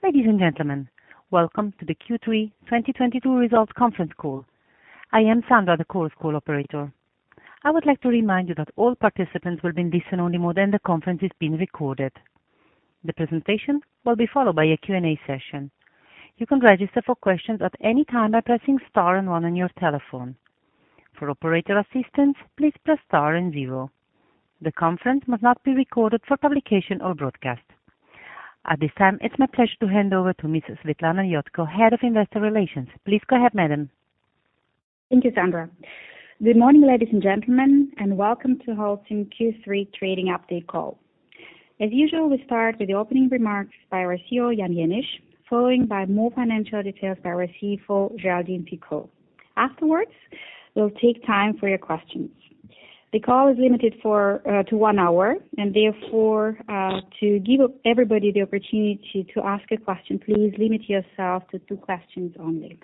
Ladies and gentlemen, welcome to the Q3 2022 results conference call. I am Sandra, the conference call operator. I would like to remind you that all participants will be in listen-only mode, and the conference is being recorded. The presentation will be followed by a Q&A session. You can register for questions at any time by pressing star and one on your telephone. For operator assistance, please press star and zero. The conference must not be recorded for publication or broadcast. At this time, it's my pleasure to hand over to Mrs. Svetlana Iodko, Head of Investor Relations. Please go ahead, madam. Thank you, Sandra. Good morning, ladies and gentlemen, and welcome to Holcim Q3 Trading Update Call. As usual, we start with the opening remarks by our CEO, Jan Jenisch, followed by more financial details by our CFO, Géraldine Picaud. Afterwards, we'll take time for your questions. The call is limited to one hour and therefore to give everybody the opportunity to ask a question, please limit yourself to two questions only.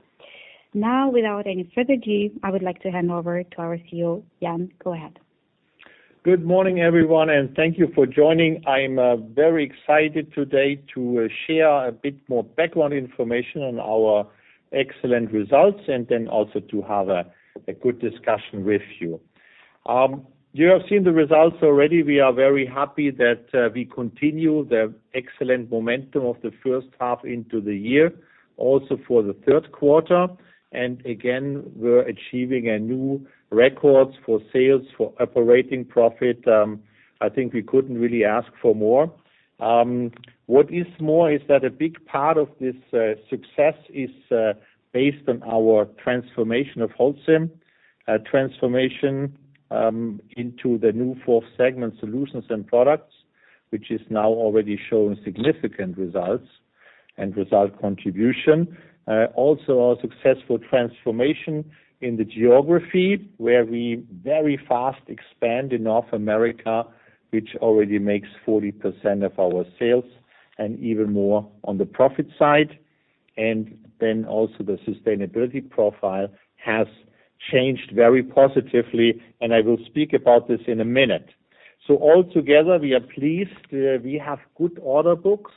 Now, without any further ado, I would like to hand over to our CEO, Jan. Go ahead. Good morning, everyone, and thank you for joining. I'm very excited today to share a bit more background information on our excellent results and then also to have a good discussion with you. You have seen the results already. We are very happy that we continue the excellent momentum of the first half into the year, also for the third quarter. We're achieving a new records for sales, for operating profit. I think we couldn't really ask for more. What is more is that a big part of this success is based on our transformation of Holcim, a transformation into the new fourth segment solutions and products, which is now already showing significant results and result contribution. Our successful transformation in the geography where we very fast expand in North America, which already makes 40% of our sales and even more on the profit side. The sustainability profile has changed very positively, and I will speak about this in a minute. All together, we are pleased. We have good order books.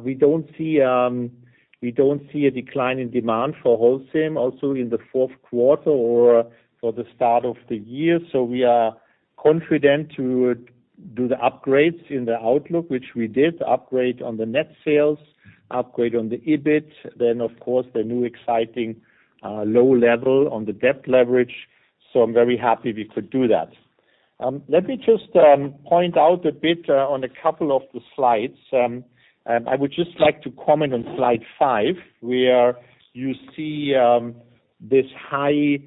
We don't see a decline in demand for Holcim also in the fourth quarter or for the start of the year. We are confident to do the upgrades in the outlook, which we did upgrade on the net sales, upgrade on the EBIT, then of course, the new exciting low level on the debt leverage. I'm very happy we could do that. Let me just point out a bit on a couple of the slides. I would just like to comment on slide 5, where you see this high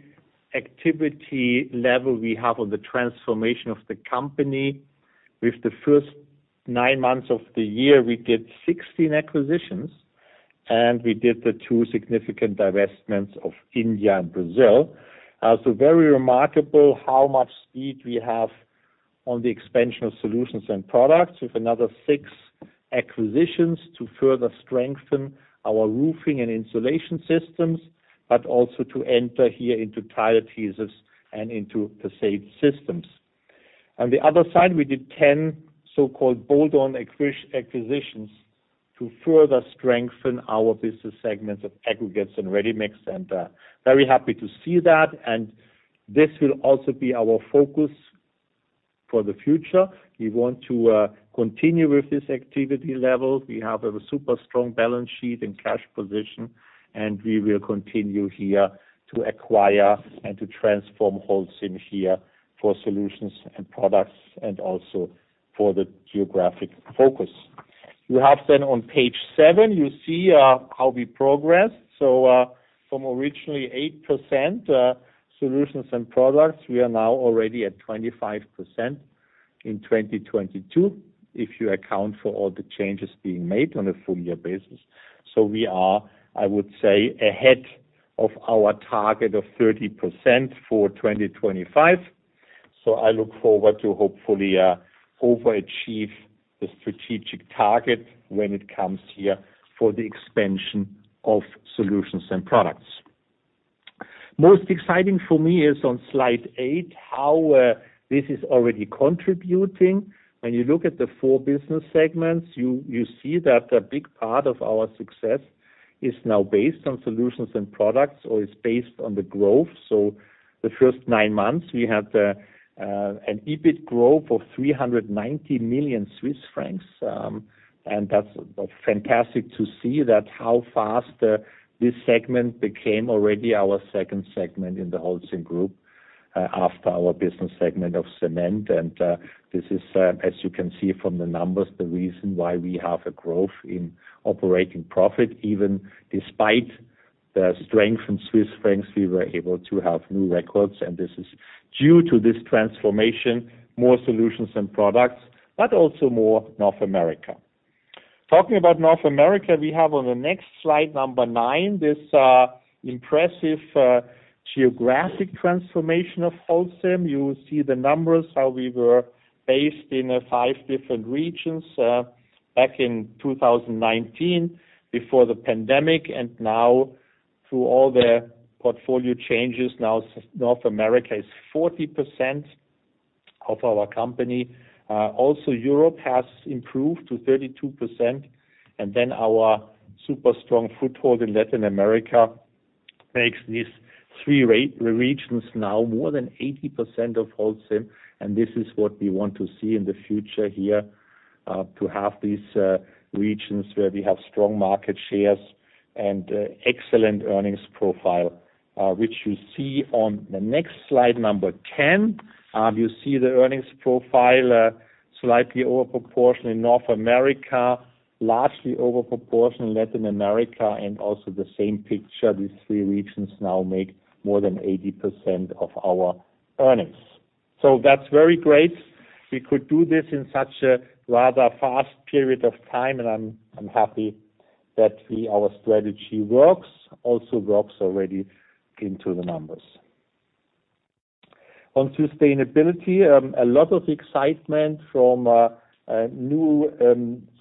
activity level we have on the transformation of the company. With the first nine months of the year, we did 16 acquisitions, and we did the two significant divestments of India and Brazil. Also very remarkable how much speed we have on the expansion of solutions and products with another six acquisitions to further strengthen our roofing and insulation systems, but also to enter here into tile adhesives and into the sealant systems. On the other side, we did 10 so-called bolt-on acquisitions to further strengthen our business segments of aggregates and ready-mix concrete. Very happy to see that, and this will also be our focus for the future. We want to continue with this activity level. We have a super strong balance sheet and cash position, and we will continue here to acquire and to transform Holcim here for solutions and products and also for the geographic focus. We have on page seven, you see, how we progress. From originally 8%, solutions and products, we are now already at 25% in 2022, if you account for all the changes being made on a full year basis. We are, I would say, ahead of our target of 30% for 2025. I look forward to hopefully overachieve the strategic target when it comes here for the expansion of solutions and products. Most exciting for me is on slide eight, how this is already contributing. When you look at the four business segments, you see that a big part of our success is now based on solutions and products, or is based on the growth. The first nine months, we had an EBIT growth of 390 million Swiss francs. That's fantastic to see that how fast this segment became already our second segment in the Holcim Group, after our business segment of Cement. This is, as you can see from the numbers, the reason why we have a growth in operating profit, even despite the strength in Swiss francs, we were able to have new records, and this is due to this transformation, more solutions and products, but also more North America. Talking about North America, we have on the next slide number nine, this impressive geographic transformation of Holcim. You see the numbers, how we were based in five different regions back in 2019 before the pandemic, and now through all the portfolio changes. Now North America is 40% of our company. Also Europe has improved to 32%, and then our super strong foothold in Latin America makes these three regions now more than 80% of Holcim, and this is what we want to see in the future here to have these regions where we have strong market shares and excellent earnings profile, which you see on the next slide number 10. You see the earnings profile, slightly over-proportionate in North America, largely over-proportionate in Latin America, and also the same picture, these three regions now make more than 80% of our earnings. That's very great. We could do this in such a rather fast period of time, and I'm happy that our strategy works also already into the numbers. On sustainability, a lot of excitement from a new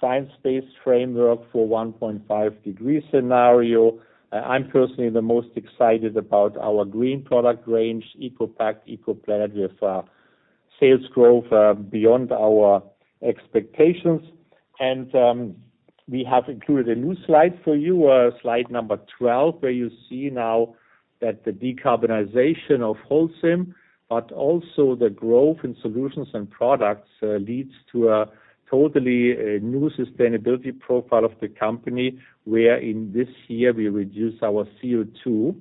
science-based framework for 1.5-degree scenario. I'm personally the most excited about our green product range, ECOPact, ECOPlanet, with sales growth beyond our expectations. We have included a new slide for you, slide number 12, where you see now that the decarbonization of Holcim, but also the growth in solutions and products, leads to a totally new sustainability profile of the company. Where in this year we reduce our CO2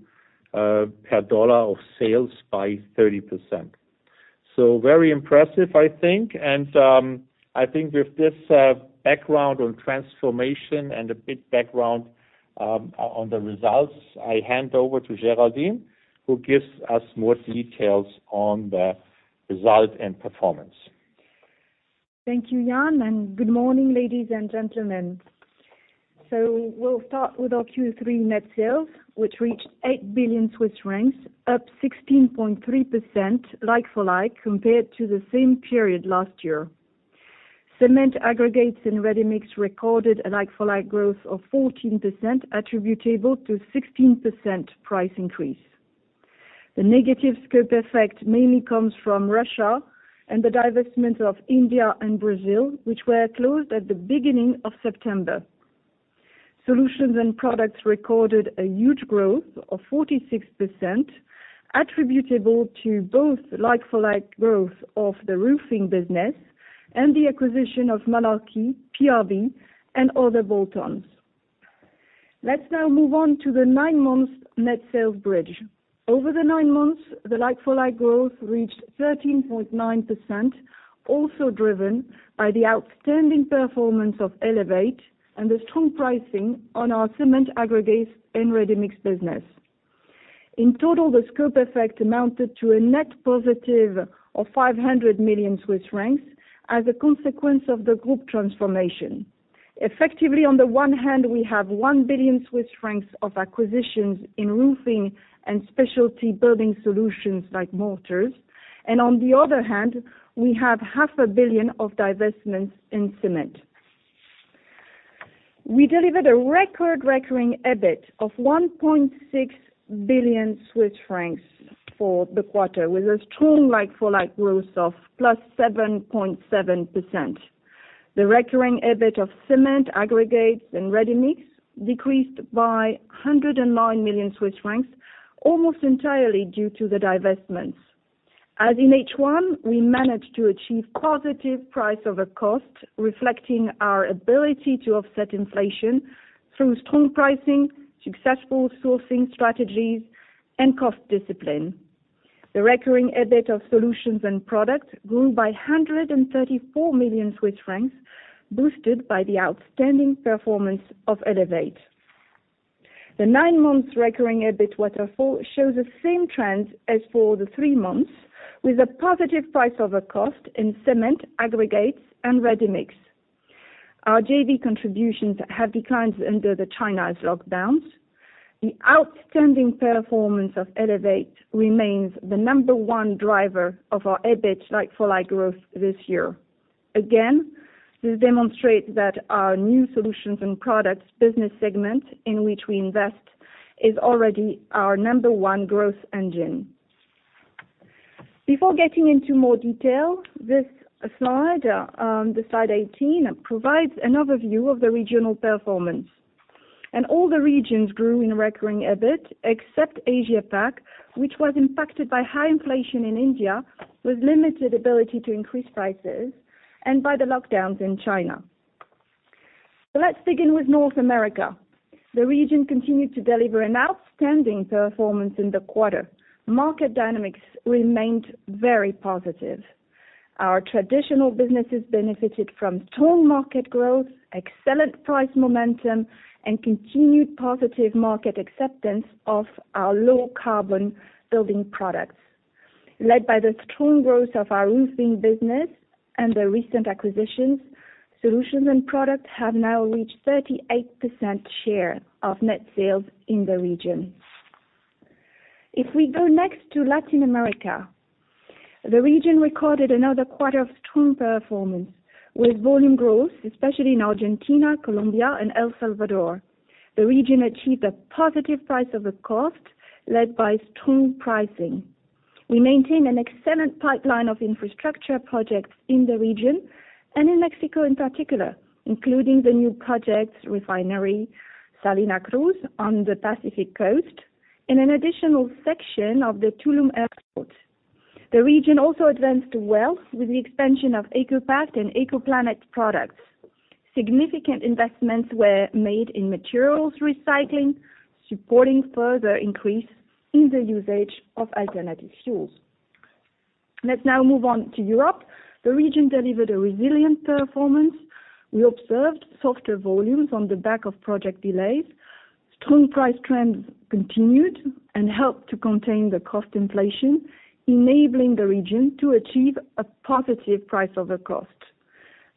per dollar of sales by 30%. Very impressive, I think. I think with this background on transformation and a bit background on the results, I hand over to Géraldine, who gives us more details on the result and performance. Thank you, Jan, and good morning, ladies and gentlemen. We'll start with our Q3 net sales, which reached 8 billion Swiss francs, up 16.3% like-for-like, compared to the same period last year. Cement, aggregates and ready-mix recorded a like-for-like growth of 14% attributable to 16% price increase. The negative scope effect mainly comes from Russia and the divestment of India and Brazil, which were closed at the beginning of September. Solutions and products recorded a huge growth of 46% attributable to both like-for-like growth of the roofing business and the acquisition of Malarkey, PRB, and other bolt-ons. Let's now move on to the nine months net sales bridge. Over the nine months, the like-for-like growth reached 13.9%, also driven by the outstanding performance of Elevate and the strong pricing on our cement aggregates and ready-mix business. In total, the scope effect amounted to a net positive of 500 million Swiss francs as a consequence of the group transformation. Effectively, on the one hand, we have 1 billion Swiss francs of acquisitions in roofing and specialty building solutions like mortars. And on the other hand, we have half a billion CHF of divestments in cement. We delivered a record Recurring EBIT of 1.6 billion Swiss francs for the quarter, with a strong like-for-like growth of +7.7%. The Recurring EBIT of cement aggregates and ready-mix decreased by 109 million Swiss francs, almost entirely due to the divestments. As in H1, we managed to achieve positive price over cost, reflecting our ability to offset inflation through strong pricing, successful sourcing strategies, and cost discipline. The Recurring EBIT of solutions and products grew by 134 million Swiss francs, boosted by the outstanding performance of Elevate. The nine months Recurring EBIT waterfall shows the same trends as for the three months, with a positive price over cost in cement, aggregates, and ready-mix. Our JV contributions have declined under China's lockdowns. The outstanding performance of Elevate remains the number one driver of our EBIT like-for-like growth this year. Again, this demonstrates that our new solutions and products business segment, in which we invest, is already our number one growth engine. Before getting into more detail, this slide, the slide 18, provides an overview of the regional performance. All the regions grew in Recurring EBIT, except Asia Pac, which was impacted by high inflation in India, with limited ability to increase prices, and by the lockdowns in China. Let's begin with North America. The region continued to deliver an outstanding performance in the quarter. Market dynamics remained very positive. Our traditional businesses benefited from strong market growth, excellent price momentum, and continued positive market acceptance of our low carbon building products. Led by the strong growth of our roofing business and the recent acquisitions, solutions and products have now reached 38% share of net sales in the region. If we go next to Latin America, the region recorded another quarter of strong performance, with volume growth, especially in Argentina, Colombia, and El Salvador. The region achieved a positive price over cost led by strong pricing. We maintain an excellent pipeline of infrastructure projects in the region and in Mexico in particular, including the new projects refinery, Salina Cruz on the Pacific coast, and an additional section of the Tulum Airport. The region also advanced well with the expansion of ECOPact and ECOPlanet products. Significant investments were made in materials recycling, supporting further increase in the usage of alternative fuels. Let's now move on to Europe. The region delivered a resilient performance. We observed softer volumes on the back of project delays. Strong price trends continued and helped to contain the cost inflation, enabling the region to achieve a positive price over cost.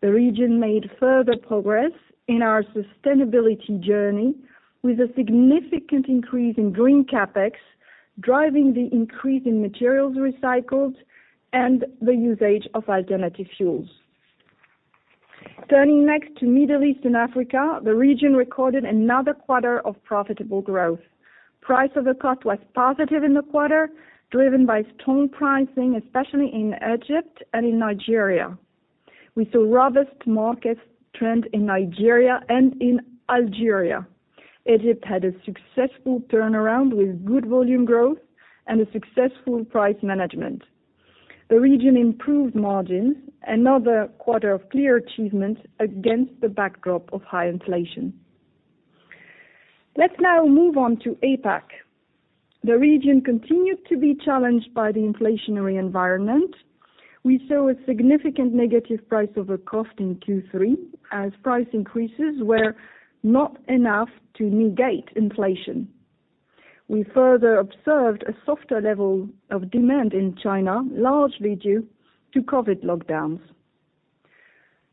The region made further progress in our sustainability journey with a significant increase in green CapEx, driving the increase in materials recycled and the usage of alternative fuels. Turning next to Middle East and Africa, the region recorded another quarter of profitable growth. Price over cost was positive in the quarter, driven by strong pricing, especially in Egypt and in Nigeria. We saw robust market trend in Nigeria and in Algeria. Egypt had a successful turnaround with good volume growth and a successful price management. The region improved margins, another quarter of clear achievement against the backdrop of high inflation. Let's now move on to APAC. The region continued to be challenged by the inflationary environment. We saw a significant negative price over cost in Q3 as price increases were not enough to negate inflation. We further observed a softer level of demand in China, largely due to COVID lockdowns.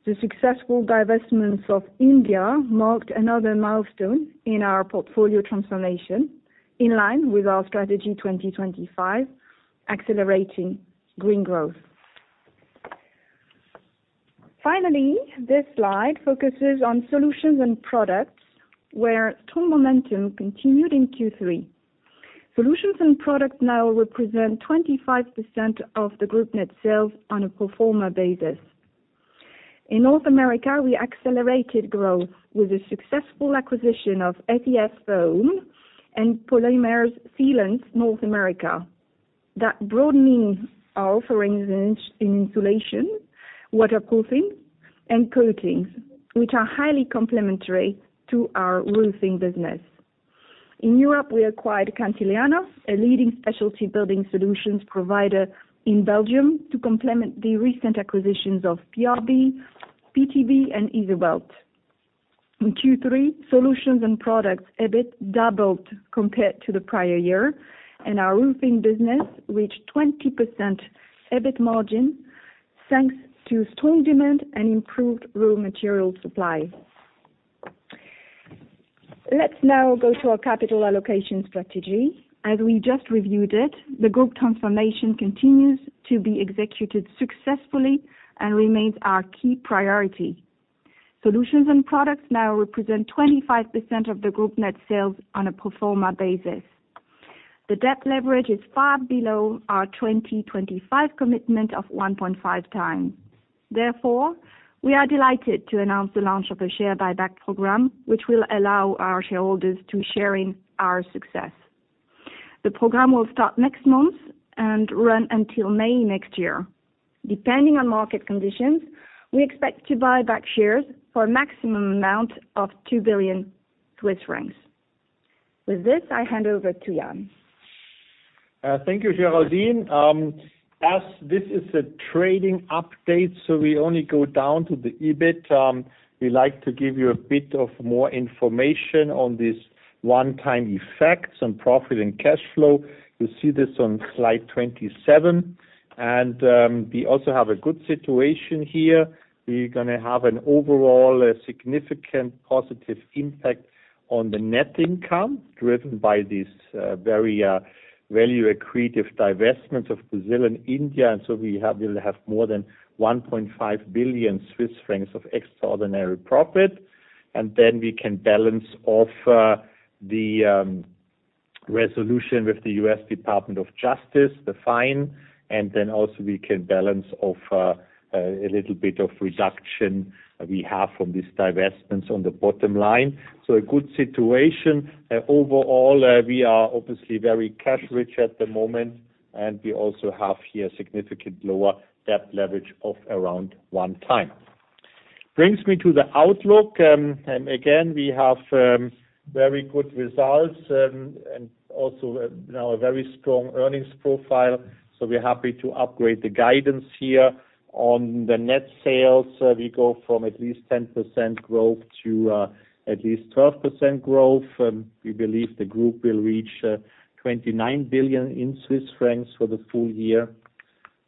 The successful divestments in India marked another milestone in our portfolio transformation, in line with our Strategy 2025, accelerating green growth. Finally, this slide focuses on solutions and products where strong momentum continued in Q3. Solutions and products now represent 25% of the group net sales on a pro forma basis. In North America, we accelerated growth with a successful acquisition of SES Foam and Polymers Sealants North America. That broadening our offerings in insulation, waterproofing, and coatings, which are highly complementary to our roofing business. In Europe, we acquired Cantillana, a leading specialty building solutions provider in Belgium to complement the recent acquisitions of PRB Group, PTB-Compaktuna, and Izolbet. In Q3, solutions and products EBIT doubled compared to the prior year, and our roofing business reached 20% EBIT margin, thanks to strong demand and improved raw material supply. Let's now go to our capital allocation strategy. As we just reviewed it, the group transformation continues to be executed successfully and remains our key priority. Solutions and products now represent 25% of the group net sales on a pro forma basis. The debt leverage is far below our 2025 commitment of 1.5x. Therefore, we are delighted to announce the launch of a share buyback program, which will allow our shareholders to share in our success. The program will start next month and run until May next year. Depending on market conditions, we expect to buy back shares for a maximum amount of 2 billion Swiss francs. With this, I hand over to Jan Jenisch. Thank you, Géraldine. As this is a trading update, we only go down to the EBIT. We like to give you a bit more information on this one-time effects on profit and cash flow. You see this on slide 27. We also have a good situation here. We're gonna have an overall significant positive impact on the net income driven by this very value accretive divestment of Brazil and India. We'll have more than 1.5 billion Swiss francs of extraordinary profit. Then we can balance off the resolution with the U.S. Department of Justice, the fine, and then also we can balance off a little bit of reduction we have from these divestments on the bottom line. A good situation. Overall, we are obviously very cash-rich at the moment, and we also have here significantly lower debt leverage of around 1x. Brings me to the outlook. Again, we have very good results and also now a very strong earnings profile. We're happy to upgrade the guidance here. On the net sales, we go from at least 10% growth to at least 12% growth. We believe the group will reach 29 billion for the full year.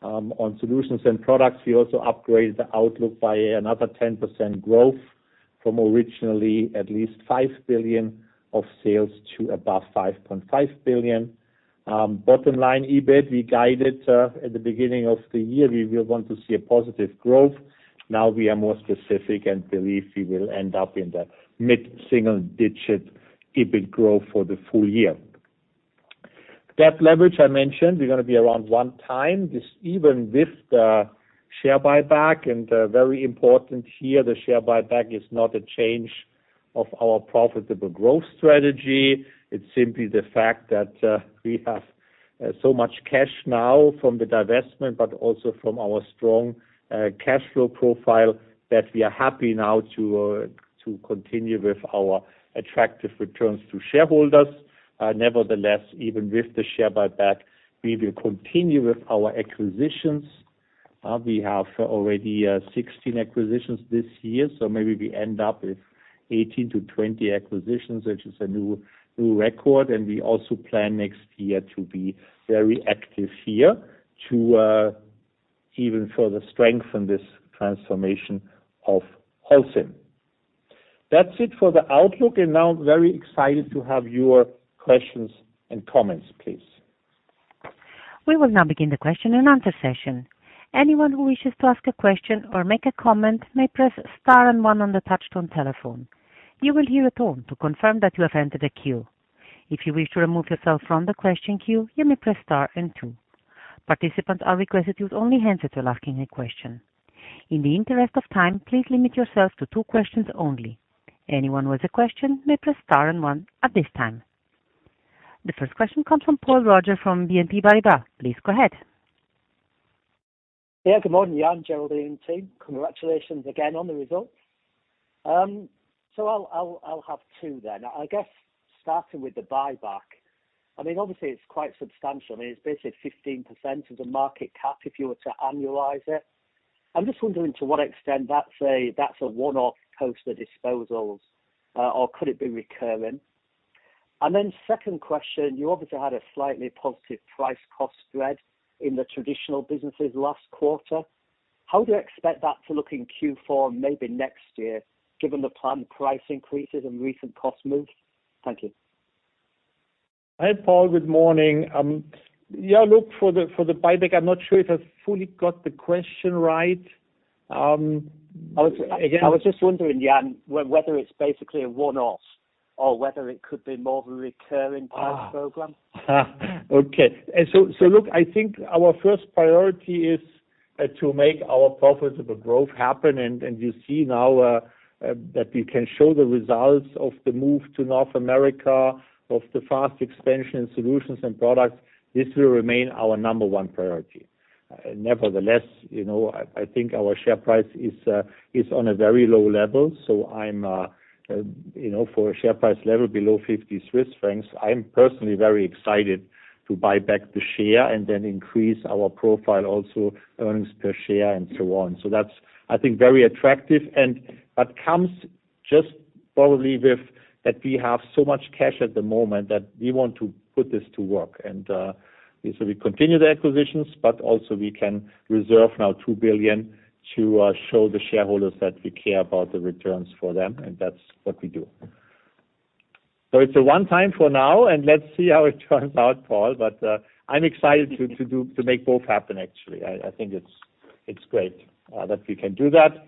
On solutions and products, we also upgraded the outlook by another 10% growth from originally at least 5 billion of sales to above 5.5 billion. Bottom line EBIT, we guided at the beginning of the year. We will want to see a positive growth. Now we are more specific and believe we will end up in the mid-single-digit EBIT growth for the full year. Debt leverage, I mentioned, we're gonna be around 1x, this, even with the share buyback, and very important here, the share buyback is not a change of our profitable growth strategy. It's simply the fact that we have so much cash now from the divestment, but also from our strong cash flow profile, that we are happy now to continue with our attractive returns to shareholders. Nevertheless, even with the share buyback, we will continue with our acquisitions. We have already 16 acquisitions this year, so maybe we end up with 18-20 acquisitions, which is a new record. We also plan next year to be very active here to even further strengthen this transformation of Holcim. That's it for the outlook, and now I'm very excited to have your questions and comments, please. We will now begin the question and answer session. Anyone who wishes to ask a question or make a comment may press star and one on the touchtone telephone. You will hear a tone to confirm that you have entered a queue. If you wish to remove yourself from the question queue, you may press star and two. Participants are requested to only answer to asking a question. In the interest of time, please limit yourselves to two questions only. Anyone with a question may press star and one at this time. The first question comes from Paul Roger from BNP Paribas. Please go ahead. Yeah. Good morning, Jan, Géraldine, and team. Congratulations again on the results. I'll have two then. I guess starting with the buyback. I mean, obviously it's quite substantial. I mean, it's basically 15% of the market cap if you were to annualize it. I'm just wondering to what extent that's a one-off post of disposals, or could it be recurring? Second question, you obviously had a slightly positive price cost spread in the traditional businesses last quarter. How do you expect that to look in Q4 and maybe next year, given the planned price increases and recent cost moves? Thank you. Hi, Paul. Good morning. Yeah, look, for the buyback, I'm not sure if I've fully got the question right. I was just wondering, Jan, whether it's basically a one-off or whether it could be more of a recurring type program. Okay. Look, I think our first priority is to make our profitable growth happen. You see now that we can show the results of the move to North America, of the fast expansion in solutions and products. This will remain our number one priority. Nevertheless, you know, I think our share price is on a very low level, so I'm you know, for a share price level below 50 Swiss francs, I'm personally very excited to buy back the share and then increase our profile also, earnings per share and so on. That's, I think, very attractive and that comes just probably with that we have so much cash at the moment that we want to put this to work. We continue the acquisitions, but also we can reserve now 2 billion to show the shareholders that we care about the returns for them, and that's what we do. It's a one time for now, and let's see how it turns out, Paul. I'm excited to make both happen, actually. I think it's great that we can do that.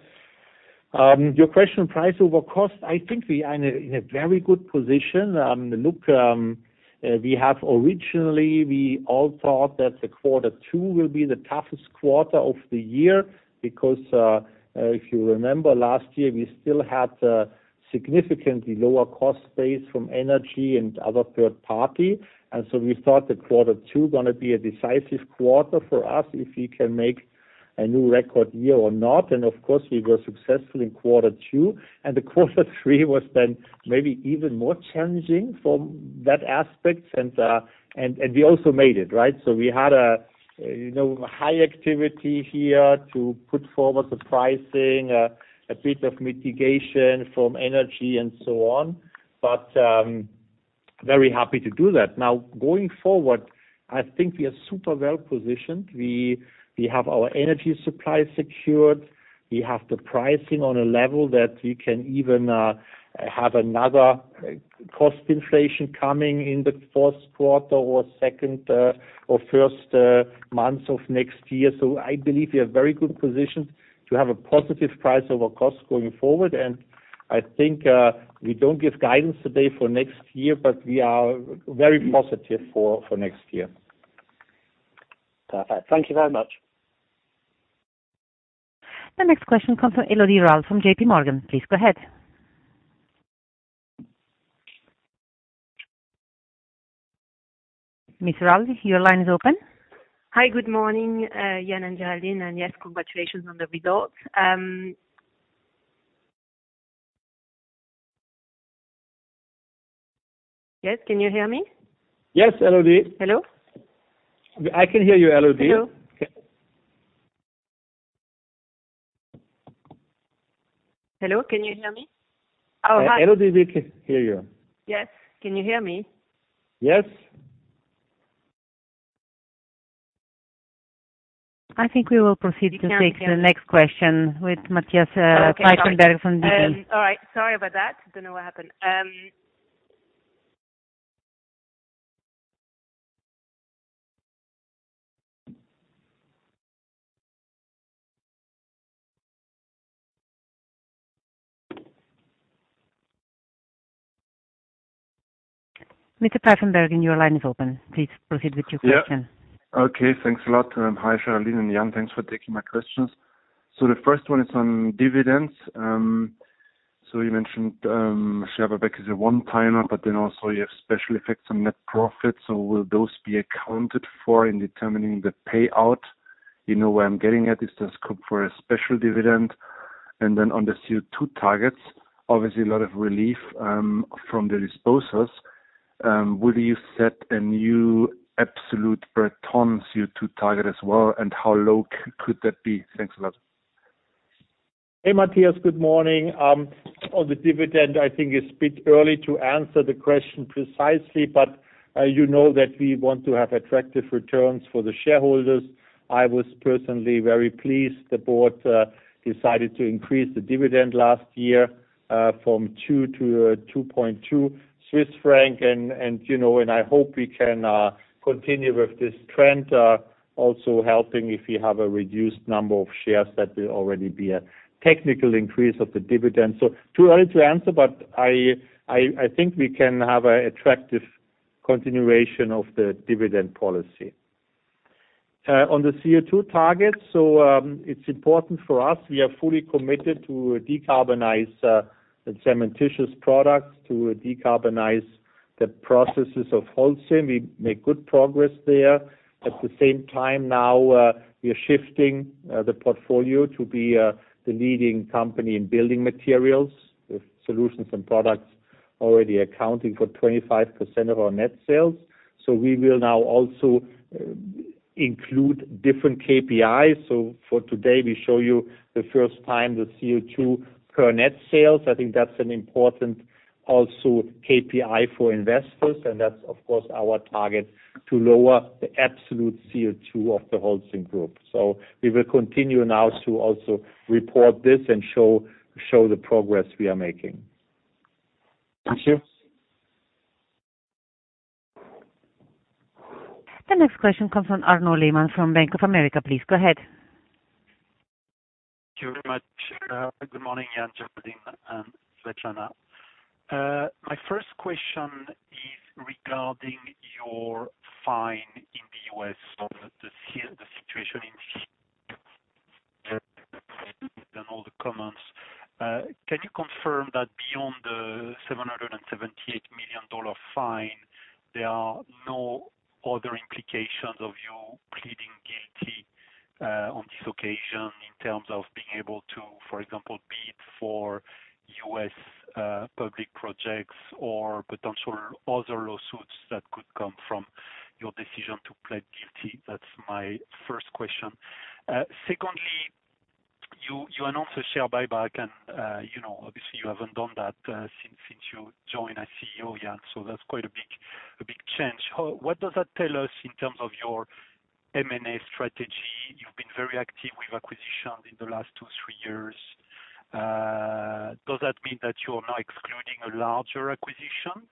Your question on price over cost, I think we are in a very good position. Look, we have originally, we all thought that the quarter two will be the toughest quarter of the year because if you remember last year, we still had a significantly lower cost base from energy and other third party. We thought that quarter two gonna be a decisive quarter for us, if we can make a new record year or not. Of course, we were successful in quarter two, and quarter three was then maybe even more challenging from that aspect. We also made it, right? We had you know high activity here to put forward the pricing, a bit of mitigation from energy and so on. Very happy to do that. Now, going forward, I think we are super well-positioned. We have our energy supply secured. We have the pricing on a level that we can even have another cost inflation coming in the first quarter or second, or first months of next year. I believe we are very well positioned to have a positive price over cost going forward, and I think, we don't give guidance today for next year, but we are very positive for next year. Perfect. Thank you very much. The next question comes from Elodie Rall from JPMorgan. Please go ahead. Ms. Rall, your line is open. Hi. Good morning, Jan and Géraldine. Yes, congratulations on the results. Yes, can you hear me? Yes, Elodie. Hello? I can hear you, Elodie. Hello? Hello, can you hear me? Oh, hi. Elodie, we can hear you. Yes. Can you hear me? Yes. I think we will proceed to take the next question with Matthias Pfeifenberger from DB. All right. Sorry about that. Don't know what happened. Mr. Pfeifenberger, your line is open. Please proceed with your question. Yeah. Okay. Thanks a lot. Hi, Géraldine and Jan, thanks for taking my questions. The first one is on dividends. You mentioned share buyback is a one-timer, but then also you have special effects on net profit. Will those be accounted for in determining the payout? You know where I'm getting at? Is there scope for a special dividend? On the CO2 targets, obviously a lot of relief from the disposals. Will you set a new absolute per ton CO2 target as well? And how low could that be? Thanks a lot. Hey, Matthias. Good morning. On the dividend, I think it's a bit early to answer the question precisely, but you know that we want to have attractive returns for the shareholders. I was personally very pleased the board decided to increase the dividend last year from 2 - 2.2 Swiss franc. You know, and I hope we can continue with this trend, also helping if we have a reduced number of shares that will already be a technical increase of the dividend. Too early to answer, but I think we can have an attractive continuation of the dividend policy. On the CO2 target, it's important for us. We are fully committed to decarbonize the cementitious products, to decarbonize the processes of Holcim. We make good progress there. At the same time now, we are shifting the portfolio to be the leading company in building materials with solutions and products already accounting for 25% of our net sales. We will now also include different KPIs. For today, we show you the first time the CO2 per net sales. I think that's an important also KPI for investors, and that's of course our target to lower the absolute CO2 of the Holcim group. We will continue now to also report this and show the progress we are making. Thank you. The next question comes from Arnaud Lehmann from Bank of America. Please go ahead. Thank you very much. Good morning, Jan, Géraldine, and Svetlana. My first question is regarding your fine in the U.S. So the situation and all the comments. Can you confirm that beyond the $778 million fine, there are no other implications of you pleading guilty on this occasion in terms of being able to, for example, bid for U.S. public projects or potential other lawsuits that could come from your decision to plead guilty? That's my first question. Secondly, you announce a share buyback, and you know, obviously you haven't done that since you joined as CEO, Jan, so that's quite a big change. What does that tell us in terms of your M&A strategy? You've been very active with acquisitions in the last two, three years. Does that mean that you are now excluding a larger acquisition,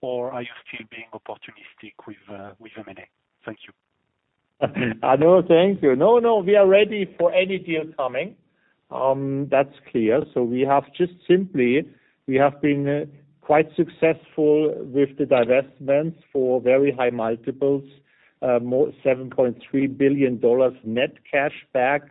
or are you still being opportunistic with M&A? Thank you. Arnaud, thank you. No, we are ready for any deal coming. That's clear. We have been quite successful with the divestments for very high multiples. More $7.3 billion net cash back,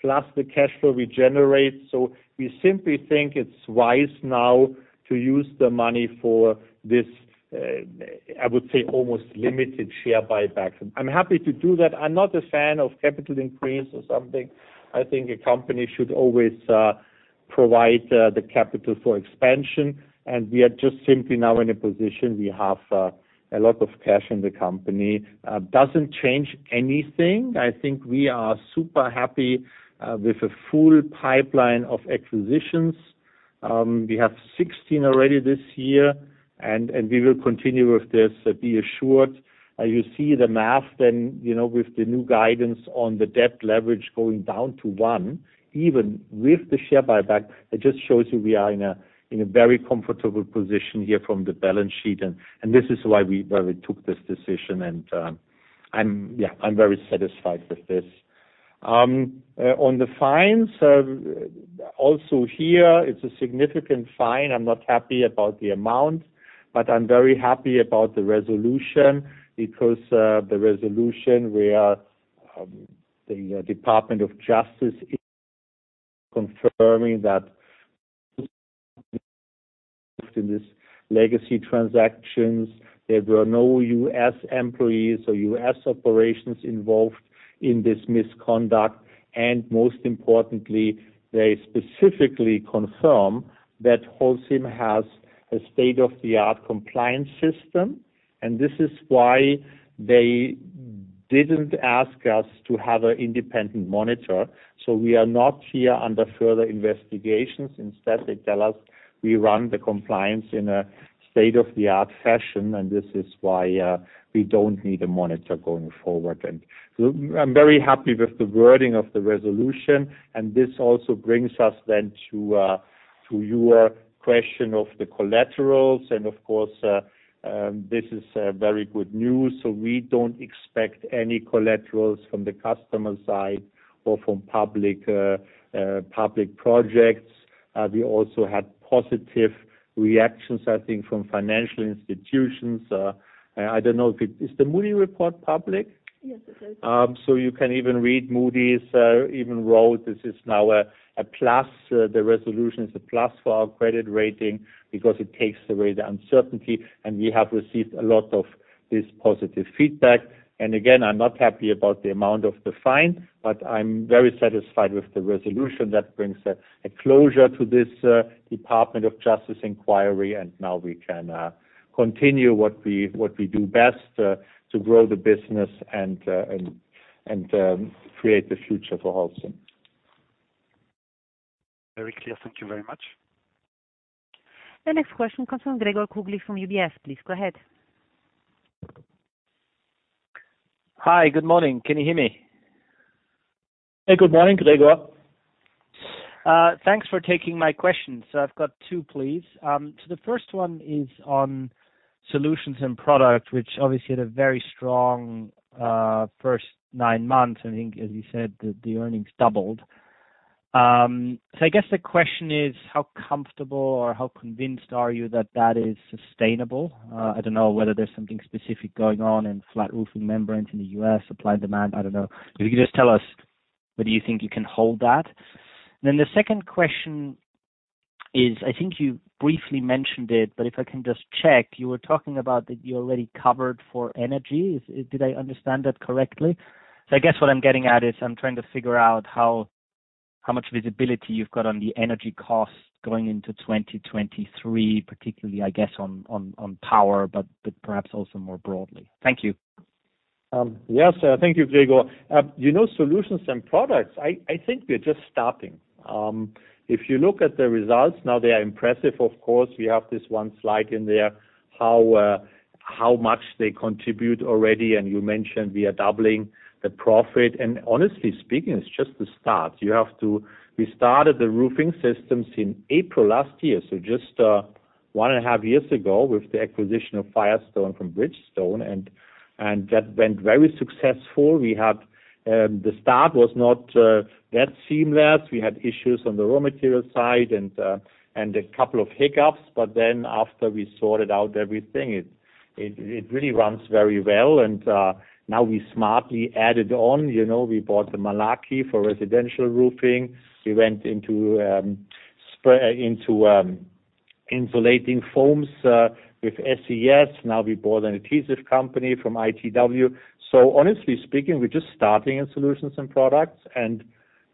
plus the cash flow we generate. We simply think it's wise now to use the money for this, I would say, almost limited share buybacks. I'm happy to do that. I'm not a fan of capital increase or something. I think a company should always provide the capital for expansion, and we are just simply now in a position we have a lot of cash in the company. Doesn't change anything. I think we are super happy with a full pipeline of acquisitions. We have 16 already this year and we will continue with this, be assured. As you see the math, you know, with the new guidance on the debt leverage going down to 1, even with the share buyback, it just shows you we are in a very comfortable position here from the balance sheet. This is why we took this decision. Yeah, I'm very satisfied with this. On the fines, also here it's a significant fine. I'm not happy about the amount, but I'm very happy about the resolution because the resolution where the U.S. Department of Justice is confirming that in this legacy transactions, there were no U.S. employees or U.S. operations involved in this misconduct. Most importantly, they specifically confirm that Holcim has a state-of-the-art compliance system, and this is why they didn't ask us to have an independent monitor, so we are not here under further investigations. Instead, they tell us we run the compliance in a state-of-the-art fashion, and this is why we don't need a monitor going forward. I'm very happy with the wording of the resolution, and this also brings us then to your question of the collaterals. Of course, this is very good news, so we don't expect any collaterals from the customer side or from public projects. We also had positive reactions, I think, from financial institutions. I don't know if the Moody's report is public? Yes, it is. You can even read Moody's. Even wrote this is now A+. The resolution is a plus for our credit rating because it takes away the uncertainty, and we have received a lot of this positive feedback. Again, I'm not happy about the amount of the fine, but I'm very satisfied with the resolution that brings a closure to this U.S. Department of Justice inquiry. Now we can continue what we do best to grow the business and create the future for Holcim. Very clear. Thank you very much. The next question comes from Gregor Kuglitsch from UBS. Please go ahead. Hi. Good morning. Can you hear me? Hey, good morning, Gregor. Thanks for taking my questions. I've got two, please. The first one is on solutions and product, which obviously had a very strong first nine months. I think, as you said, the earnings doubled. I guess the question is, how comfortable or how convinced are you that that is sustainable? I don't know whether there's something specific going on in flat roofing membranes in the US, supply and demand. I don't know. If you could just tell us whether you think you can hold that. The second question is, I think you briefly mentioned it, but if I can just check. You were talking about that you already covered for energy. Did I understand that correctly? I guess what I'm getting at is I'm trying to figure out how much visibility you've got on the energy costs going into 2023, particularly, I guess, on power, but perhaps also more broadly. Thank you. Yes, thank you, Gregor. You know, solutions and products, I think we're just starting. If you look at the results now, they are impressive. Of course, we have this one slide in there, how much they contribute already, and you mentioned we are doubling the profit. Honestly speaking, it's just the start. We started the roofing systems in April last year, so just one and a half years ago with the acquisition of Firestone from Bridgestone. That went very successful. The start was not that seamless. We had issues on the raw material side and a couple of hiccups. Then after we sorted out everything, it really runs very well. Now we smartly added on. You know, we bought the Malarkey for residential roofing. We went into insulating foams with SES. Now we bought an adhesive company from ITW. Honestly speaking, we're just starting in solutions and products.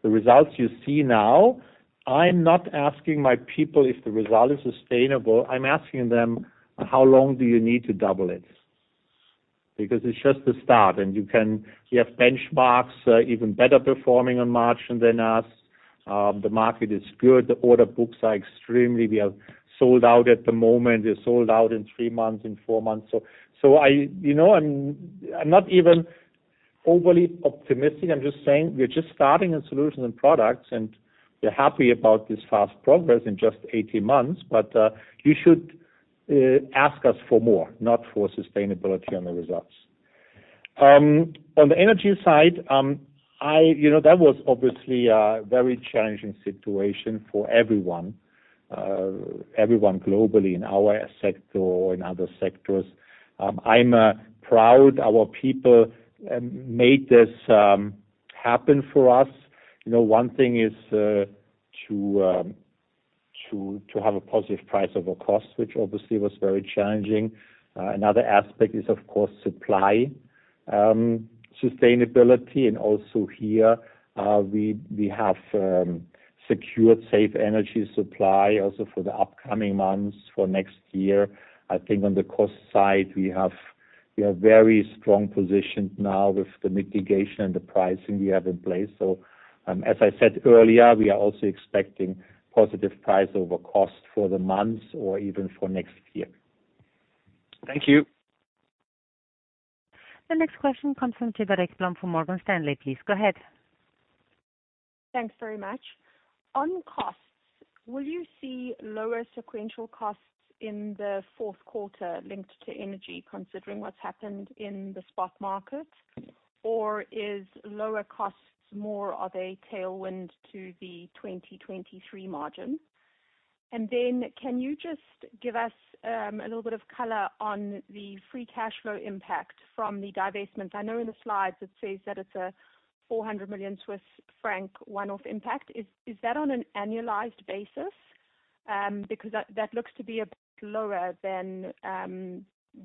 The results you see now, I'm not asking my people if the result is sustainable. I'm asking them how long do you need to double it? Because it's just the start. We have benchmarks even better performing on margin than us. The market is good. The order books are extremely sold out at the moment. We're sold out in three months, in four months. So I, you know, I'm not even overly optimistic. I'm just saying we're just starting in solutions and products, and we're happy about this fast progress in just 18 months. You should ask us for more, not for sustainability on the results. On the energy side, you know, that was obviously a very challenging situation for everyone globally in our sector or in other sectors. I'm proud our people made this happen for us. You know, one thing is to have a positive price over cost, which obviously was very challenging. Another aspect is, of course, supply sustainability. Also here, we have secured safe energy supply also for the upcoming months for next year. I think on the cost side, we are very strong positioned now with the mitigation and the pricing we have in place. As I said earlier, we are also expecting positive price over cost for the months or even for next year. Thank you. The next question comes from Cedar Ekblom for Morgan Stanley. Please go ahead. Thanks very much. On costs, will you see lower sequential costs in the fourth quarter linked to energy, considering what's happened in the spot market? Or is lower costs more of a tailwind to the 2023 margin? And then can you just give us a little bit of color on the free cash flow impact from the divestments? I know in the slides it says that it's a 400 million Swiss franc one-off impact. Is that on an annualized basis? Because that looks to be a bit lower than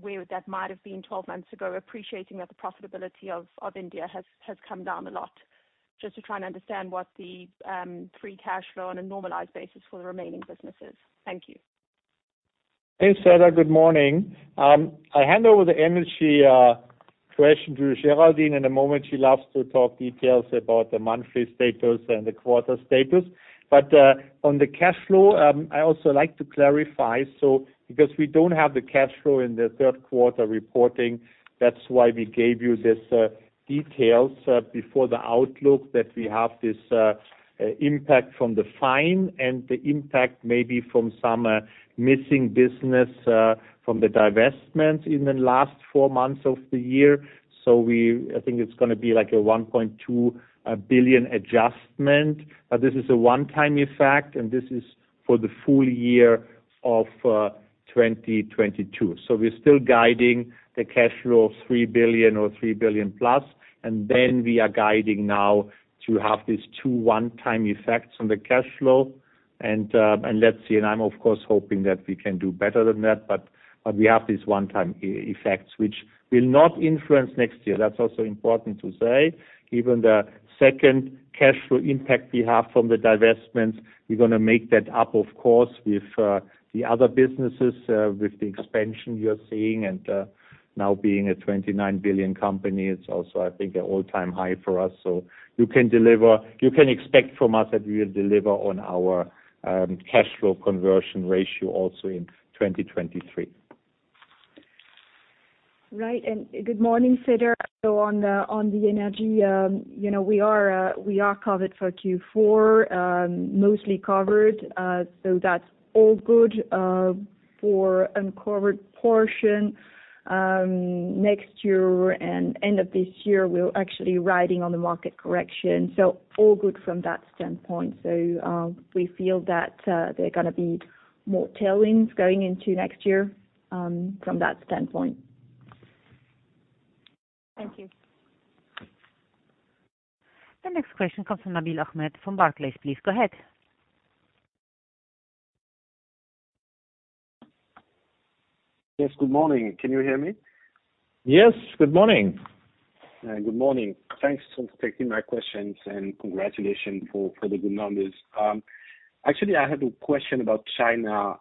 where that might have been 12 months ago, appreciating that the profitability of India has come down a lot. Just to try and understand what the free cash flow on a normalized basis for the remaining businesses. Thank you. Hey, Cedar Ekblom, good morning. I hand over the energy question to Géraldine in a moment. She loves to talk details about the monthly status and the quarter status. On the cash flow, I also like to clarify, so because we don't have the cash flow in the third quarter reporting, that's why we gave you this details before the outlook that we have this impact from the fine and the impact maybe from some missing business from the divestments in the last four months of the year. I think it's gonna be like a 1.2 billion adjustment, but this is a one-time effect, and this is for the full year of 2022. We're still guiding the cash flow of 3 billion or 3+ billion, and then we are guiding now to have these two one-time effects on the cash flow. I'm of course hoping that we can do better than that, but we have these one-time effects which will not influence next year. That's also important to say. Given the second cash flow impact we have from the divestments, we're gonna make that up, of course, with the other businesses with the expansion you're seeing and now being a 29 billion company, it's also, I think, an all-time high for us. You can expect from us that we will deliver on our cash flow conversion ratio also in 2023. Right. Good morning, Cedar. On the energy, you know, we are covered for Q4, mostly covered. That's all good. For uncovered portion, next year and end of this year, we're actually riding on the market correction, so all good from that standpoint. We feel that there are gonna be more tailwinds going into next year, from that standpoint. Thank you. The next question comes from Nabil Ahmed from Barclays. Please go ahead. Yes, good morning. Can you hear me? Yes, good morning. Good morning. Thanks for taking my questions, and congratulations for the good numbers. Actually, I had a question about China.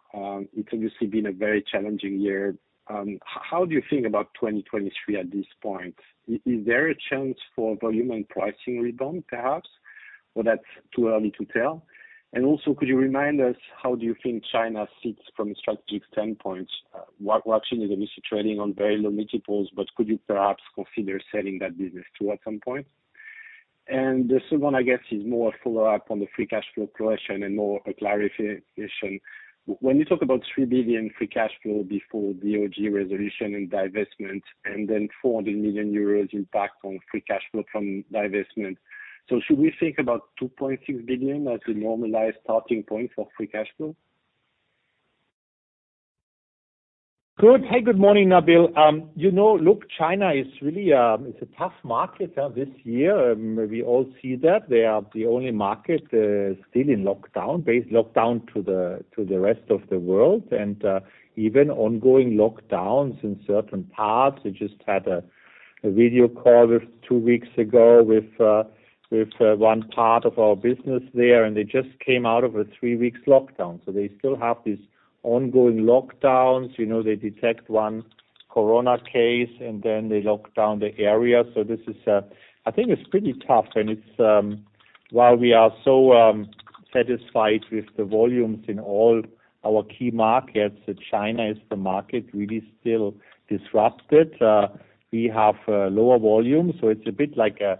It's obviously been a very challenging year. How do you think about 2023 at this point? Is there a chance for volume and pricing rebound perhaps, or that's too early to tell? Also, could you remind us how you think China sits from a strategic standpoint? Huaxin actually is obviously trading on very low multiples, but could you perhaps consider selling that business too at some point? The second one, I guess, is more a follow-up on the free cash flow question and more a clarification. When you talk about 3 billion free cash flow before the DOJ resolution and divestment and then 400 million euros impact on free cash flow from divestment, should we think about 2.6 billion as a normalized starting point for free cash flow? Good. Hey, good morning, Nabil. You know, look, China is really, it's a tough market this year. We all see that. They are the only market still in lockdown compared to the rest of the world. Even ongoing lockdowns in certain parts. We just had a video call two weeks ago with one part of our business there, and they just came out of a three weeks lockdown. They still have these ongoing lockdowns. You know, they detect one corona case, and then they lock down the area. This is, I think it's pretty tough. It's while we are so satisfied with the volumes in all our key markets, China is the market really still disrupted. We have lower volumes, so it's a bit like a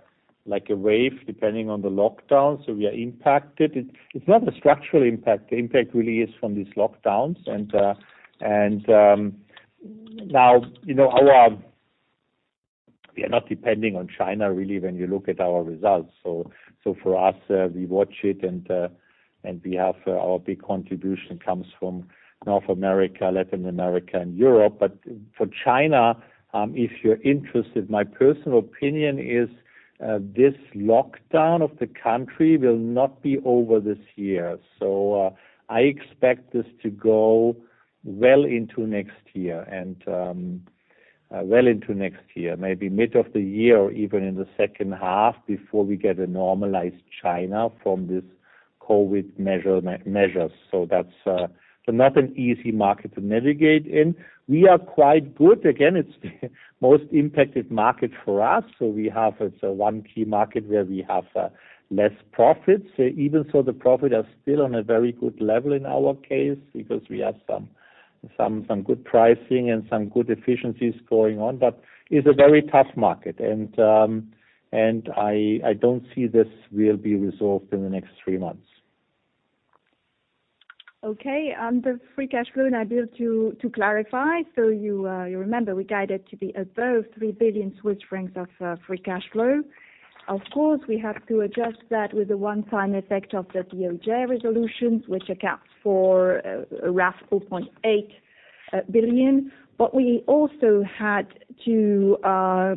wave depending on the lockdown, so we are impacted. It's not a structural impact. The impact really is from these lockdowns. We are not depending on China really when you look at our results. For us, we watch it and we have our big contribution comes from North America, Latin America and Europe. For China, if you're interested, my personal opinion is this lockdown of the country will not be over this year. I expect this to go well into next year, maybe mid of the year or even in the second half before we get a normalized China from this COVID measures. That's not an easy market to navigate in. We are quite good. Again, it's the most impacted market for us. It's one key market where we have less profits. Even so, the profit are still on a very good level in our case because we have some good pricing and some good efficiencies going on. But it's a very tough market. I don't see this will be resolved in the next three months. Okay. On the free cash flow, Nabil, to clarify, so you remember we guided to be above 3 billion francs of free cash flow. Of course, we have to adjust that with the one-time effect of the DOJ resolutions, which accounts for around 4.8 billion. But we also had to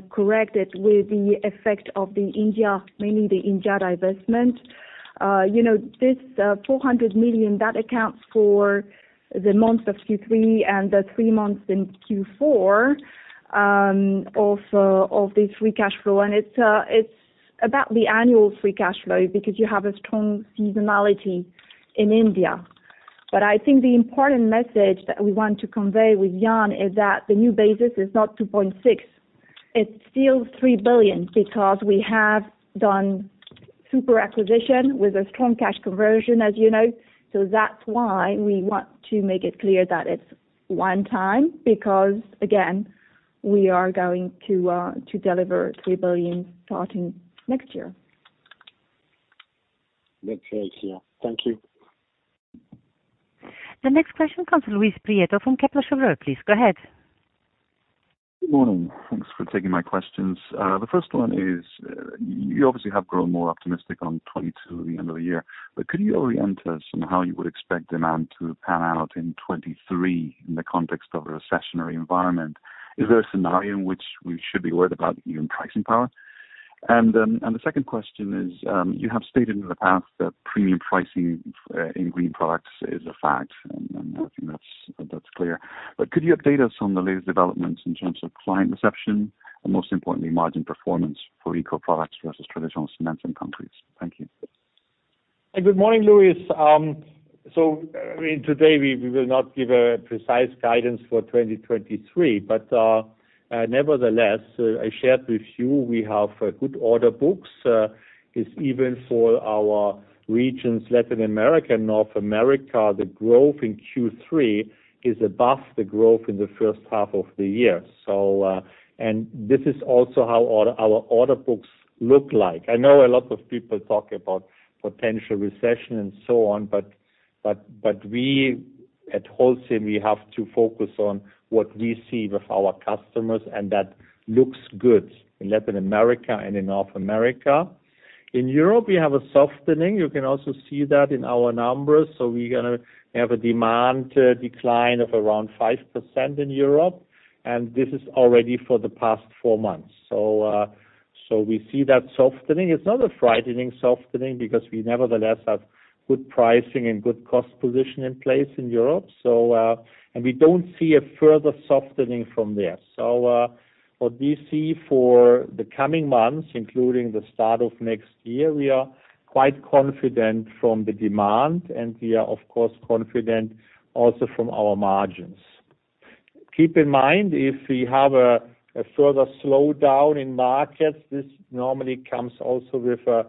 correct it with the effect of the India, mainly the India divestment. You know, this 400 million, that accounts for the months of Q3 and the three months in Q4 of the free cash flow. About the annual free cash flow, because you have a strong seasonality in India. I think the important message that we want to convey with Jan is that the new basis is not 2.6 billion, it's still 3 billion, because we have done superb acquisition with a strong cash conversion, as you know. That's why we want to make it clear that it's one-time, because again, we are going to deliver 3 billion starting next year. That's very clear. Thank you. The next question comes from Luis Prieto from Kepler Cheuvreux. Please go ahead. Good morning. Thanks for taking my questions. The first one is, you obviously have grown more optimistic on 2022 at the end of the year, but could you orient us on how you would expect demand to pan out in 2023 in the context of a recessionary environment? Is there a scenario in which we should be worried about even pricing power? The second question is, you have stated in the past that premium pricing in green products is a fact, and I think that's clear. But could you update us on the latest developments in terms of client reception and most importantly, margin performance for eco products versus traditional cements and concretes? Thank you. Good morning, Luis. I mean, today we will not give a precise guidance for 2023, but nevertheless, I shared with you we have good order books. It's even for our regions, Latin America and North America, the growth in Q3 is above the growth in the first half of the year. This is also how our order books look like. I know a lot of people talk about potential recession and so on, but we at Holcim, we have to focus on what we see with our customers, and that looks good in Latin America and in North America. In Europe, we have a softening. You can also see that in our numbers. We're gonna have a demand decline of around 5% in Europe, and this is already for the past four months. We see that softening. It's not a frightening softening because we nevertheless have good pricing and good cost position in place in Europe. We don't see a further softening from there. What we see for the coming months, including the start of next year, we are quite confident in the demand, and we are of course confident also in our margins. Keep in mind, if we have a further slowdown in markets, this normally comes also with a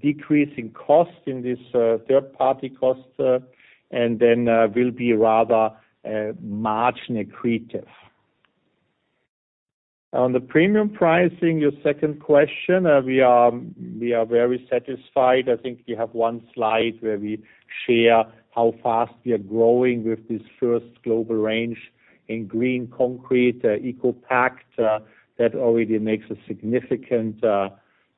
decrease in cost in this third-party cost, and then will be rather margin accretive. On the premium pricing, your second question, we are very satisfied. I think we have one slide where we share how fast we are growing with this first global range in green concrete, ECOPact, that already makes a significant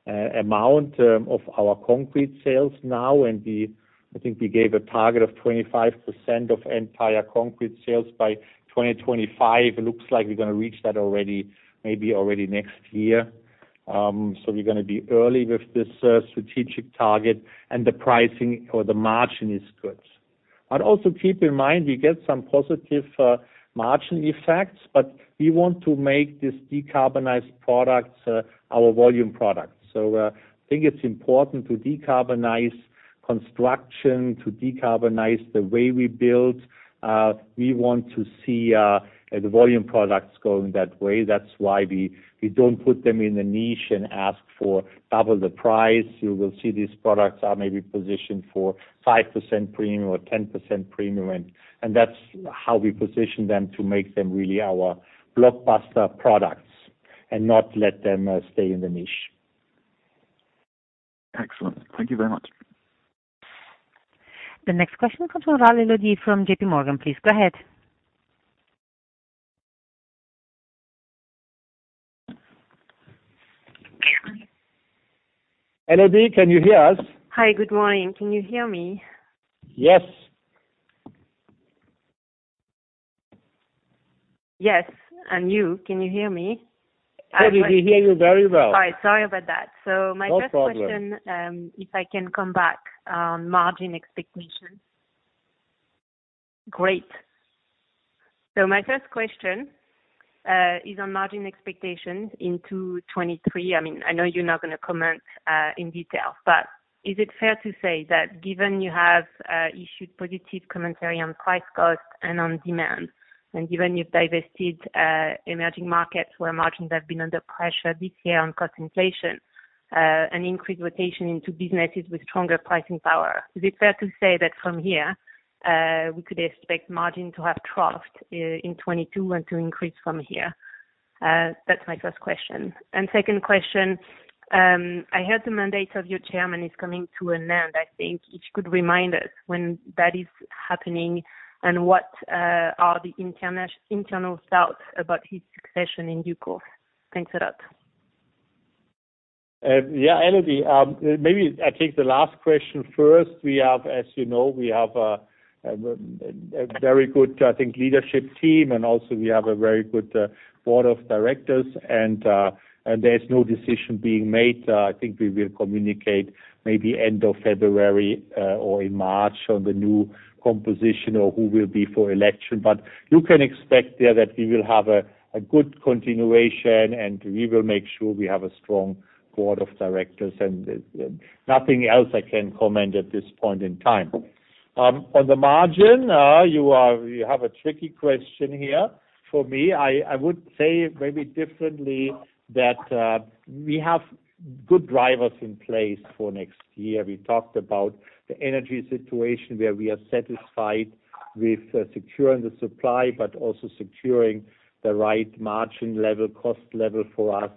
amount of our concrete sales now. I think we gave a target of 25% of entire concrete sales by 2025. It looks like we're gonna reach that already, maybe already next year. We're gonna be early with this strategic target and the pricing or the margin is good. Also keep in mind, we get some positive margin effects, but we want to make these decarbonized products our volume products. I think it's important to decarbonize construction, to decarbonize the way we build. We want to see the volume products going that way. That's why we don't put them in a niche and ask for double the price. You will see these products are maybe positioned for 5% premium or 10% premium, and that's how we position them to make them really our blockbuster products and not let them stay in the niche. Excellent. Thank you very much. The next question comes from Elodie from JPMorgan. Please go ahead. Elodie, can you hear us? Hi. Good morning. Can you hear me? Yes. Yes. You, can you hear me? Elodie, we hear you very well. All right. Sorry about that. No problem. My first question is on margin expectations into 2023. I mean, I know you're not gonna comment in detail, but is it fair to say that given you have issued positive commentary on price cost and on demand, and given you've divested emerging markets where margins have been under pressure this year on cost inflation, an increased rotation into businesses with stronger pricing power, is it fair to say that from here, we could expect margin to have troughed in 2022 and to increase from here? That's my first question. Second question, I heard the mandate of your chairman is coming to an end, I think. If you could remind us when that is happening, and what are the internal thoughts about his succession in due course? Thanks a lot. Yeah, Elodie. Maybe I take the last question first. We have, as you know, we have a very good, I think, leadership team, and also we have a very good board of directors, and there is no decision being made. I think we will communicate maybe end of February or in March on the new composition or who will be for election. You can expect there that we will have a good continuation, and we will make sure we have a strong board of directors, and nothing else I can comment at this point in time. On the margin, you have a tricky question here for me. I would say maybe differently that we have good drivers in place for next year. We talked about the energy situation where we are satisfied with securing the supply, but also securing the right margin level, cost level for us.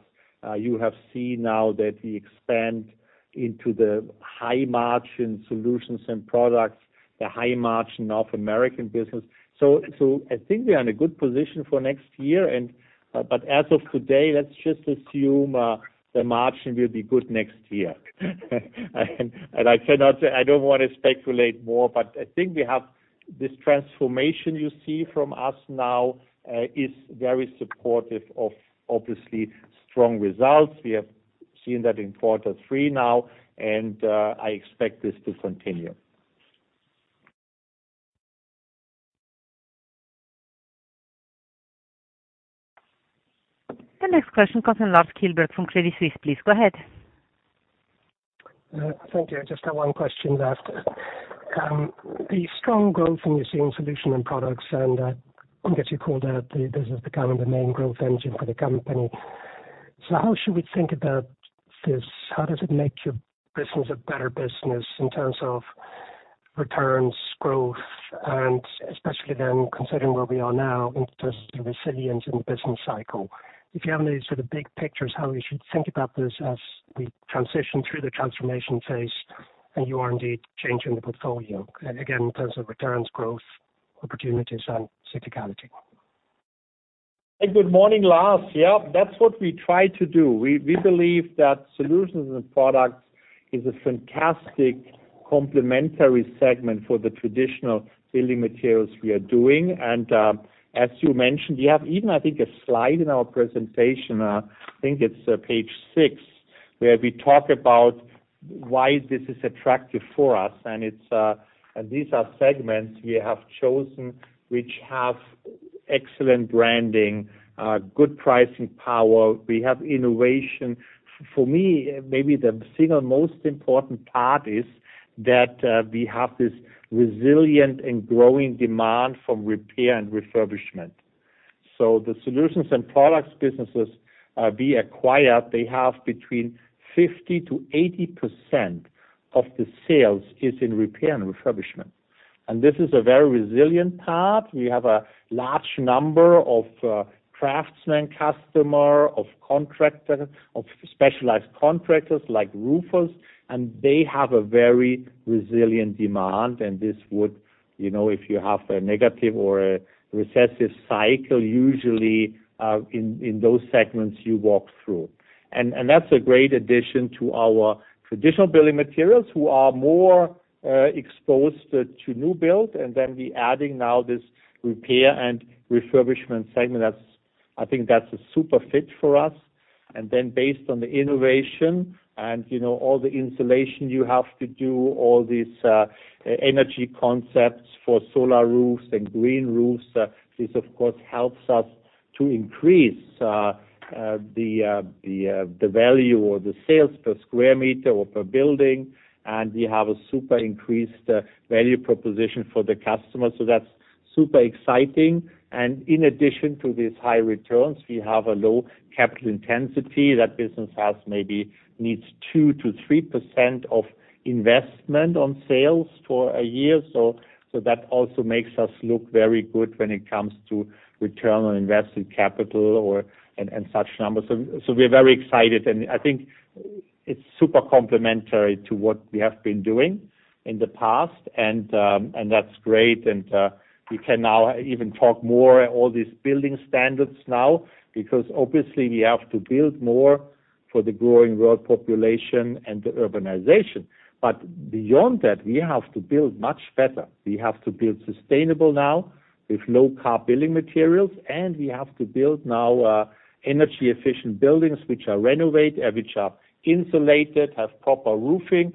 You have seen now that we expand into the high margin solutions and products, the high margin North American business. I think we are in a good position for next year and. As of today, let's just assume the margin will be good next year. I cannot say I don't wanna speculate more, but I think we have this transformation you see from us now is very supportive of obviously strong results. We have seen that in quarter three now, and I expect this to continue. The next question comes from Lars Kjellberg from Credit Suisse. Please go ahead. Thank you. I just have one question left. The strong growth in your Solutions and Products, and, I guess you called out the, this has become the main growth engine for the company. How should we think about this? How does it make your business a better business in terms of returns, growth, and especially then considering where we are now in terms of the resilience in the business cycle? If you have any sort of big pictures, how we should think about this as we transition through the transformation phase, and you are indeed changing the portfolio. Again, in terms of returns, growth, opportunities, and cyclicality. Good morning, Lars. Yeah, that's what we try to do. We believe that Solutions and Products is a fantastic complementary segment for the traditional building materials we are doing. As you mentioned, we have even, I think, a slide in our presentation, I think it's page six, where we talk about why this is attractive for us. These are segments we have chosen which have excellent branding, good pricing power. We have innovation. For me, maybe the single most important part is that we have this resilient and growing demand from repair and refurbishment. The Solutions and Products businesses we acquired, they have between 50%-80% of the sales is in repair and refurbishment. This is a very resilient part. We have a large number of craftsmen, customers of contractors, specialized contractors like roofers, and they have a very resilient demand. This would, you know, if you have a negative or a recessionary cycle, usually in those segments you walk through. That's a great addition to our traditional building materials who are more exposed to new build. We adding now this repair and refurbishment segment that's. I think that's a super fit for us. Based on the innovation and, you know, all the insulation you have to do, all these energy concepts for solar roofs and green roofs, this of course helps us to increase the value or the sales per square meter or per building. We have a super increased value proposition for the customer. That's super exciting. In addition to these high returns, we have a low capital intensity. That business has maybe needs 2%-3% of investment on sales for a year. That also makes us look very good when it comes to return on invested capital or and such numbers. We're very excited and I think it's super complementary to what we have been doing in the past. That's great. We can now even talk more all these building standards now because obviously we have to build more for the growing world population and the urbanization. Beyond that, we have to build much better. We have to build sustainable now with low-carbon building materials, and we have to build now energy efficient buildings which are renovated, which are insulated, have proper roofing.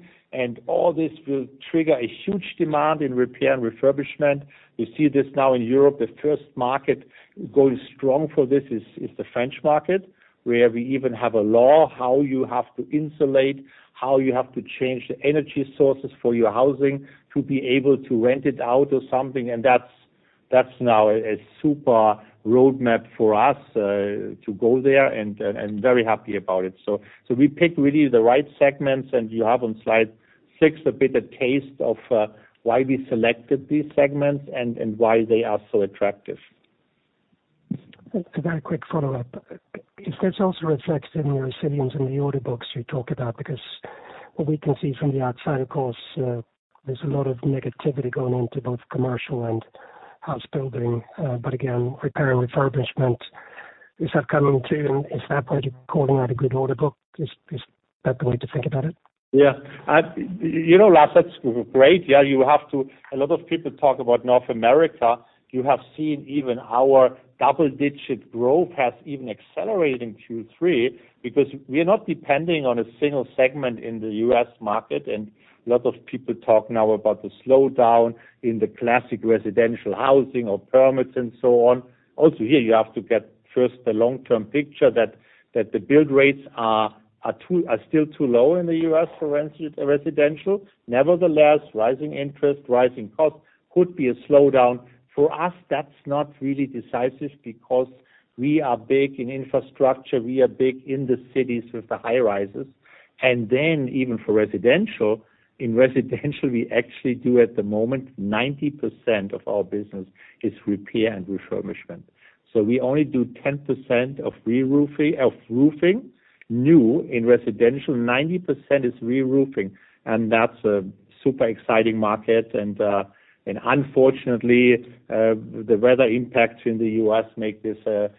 All this will trigger a huge demand in repair and refurbishment. We see this now in Europe. The first market going strong for this is the French market, where we even have a law, how you have to insulate, how you have to change the energy sources for your housing to be able to rent it out or something. That's now a super roadmap for us to go there and very happy about it. We pick really the right segments and you have on slide six a bit of taste of why we selected these segments and why they are so attractive. A very quick follow-up. If that's also reflected in your resilience in the order books you talk about, because what we can see from the outside, of course, there's a lot of negativity going into both commercial and house building. Again, repair and refurbishment, is that coming through and is that why you're calling out a good order book? Is that the way to think about it? Yeah. You know, Lars, that's great. Yeah. A lot of people talk about North America. You have seen even our double-digit growth has even accelerated in Q3 because we're not depending on a single segment in the US market. A lot of people talk now about the slowdown in the classic residential housing or permits and so on. Also, here, you have to get first the long-term picture that the build rates are still too low in the US for residential. Nevertheless, rising interest, rising costs could be a slowdown. For us, that's not really decisive because we are big in infrastructure, we are big in the cities with the high-rises. Then even for residential, in residential, we actually do at the moment 90% of our business is repair and refurbishment. We only do 10% of reroofing of roofing new in residential, 90% is reroofing, and that's a super exciting market. Unfortunately, the weather impacts in the U.S. make this a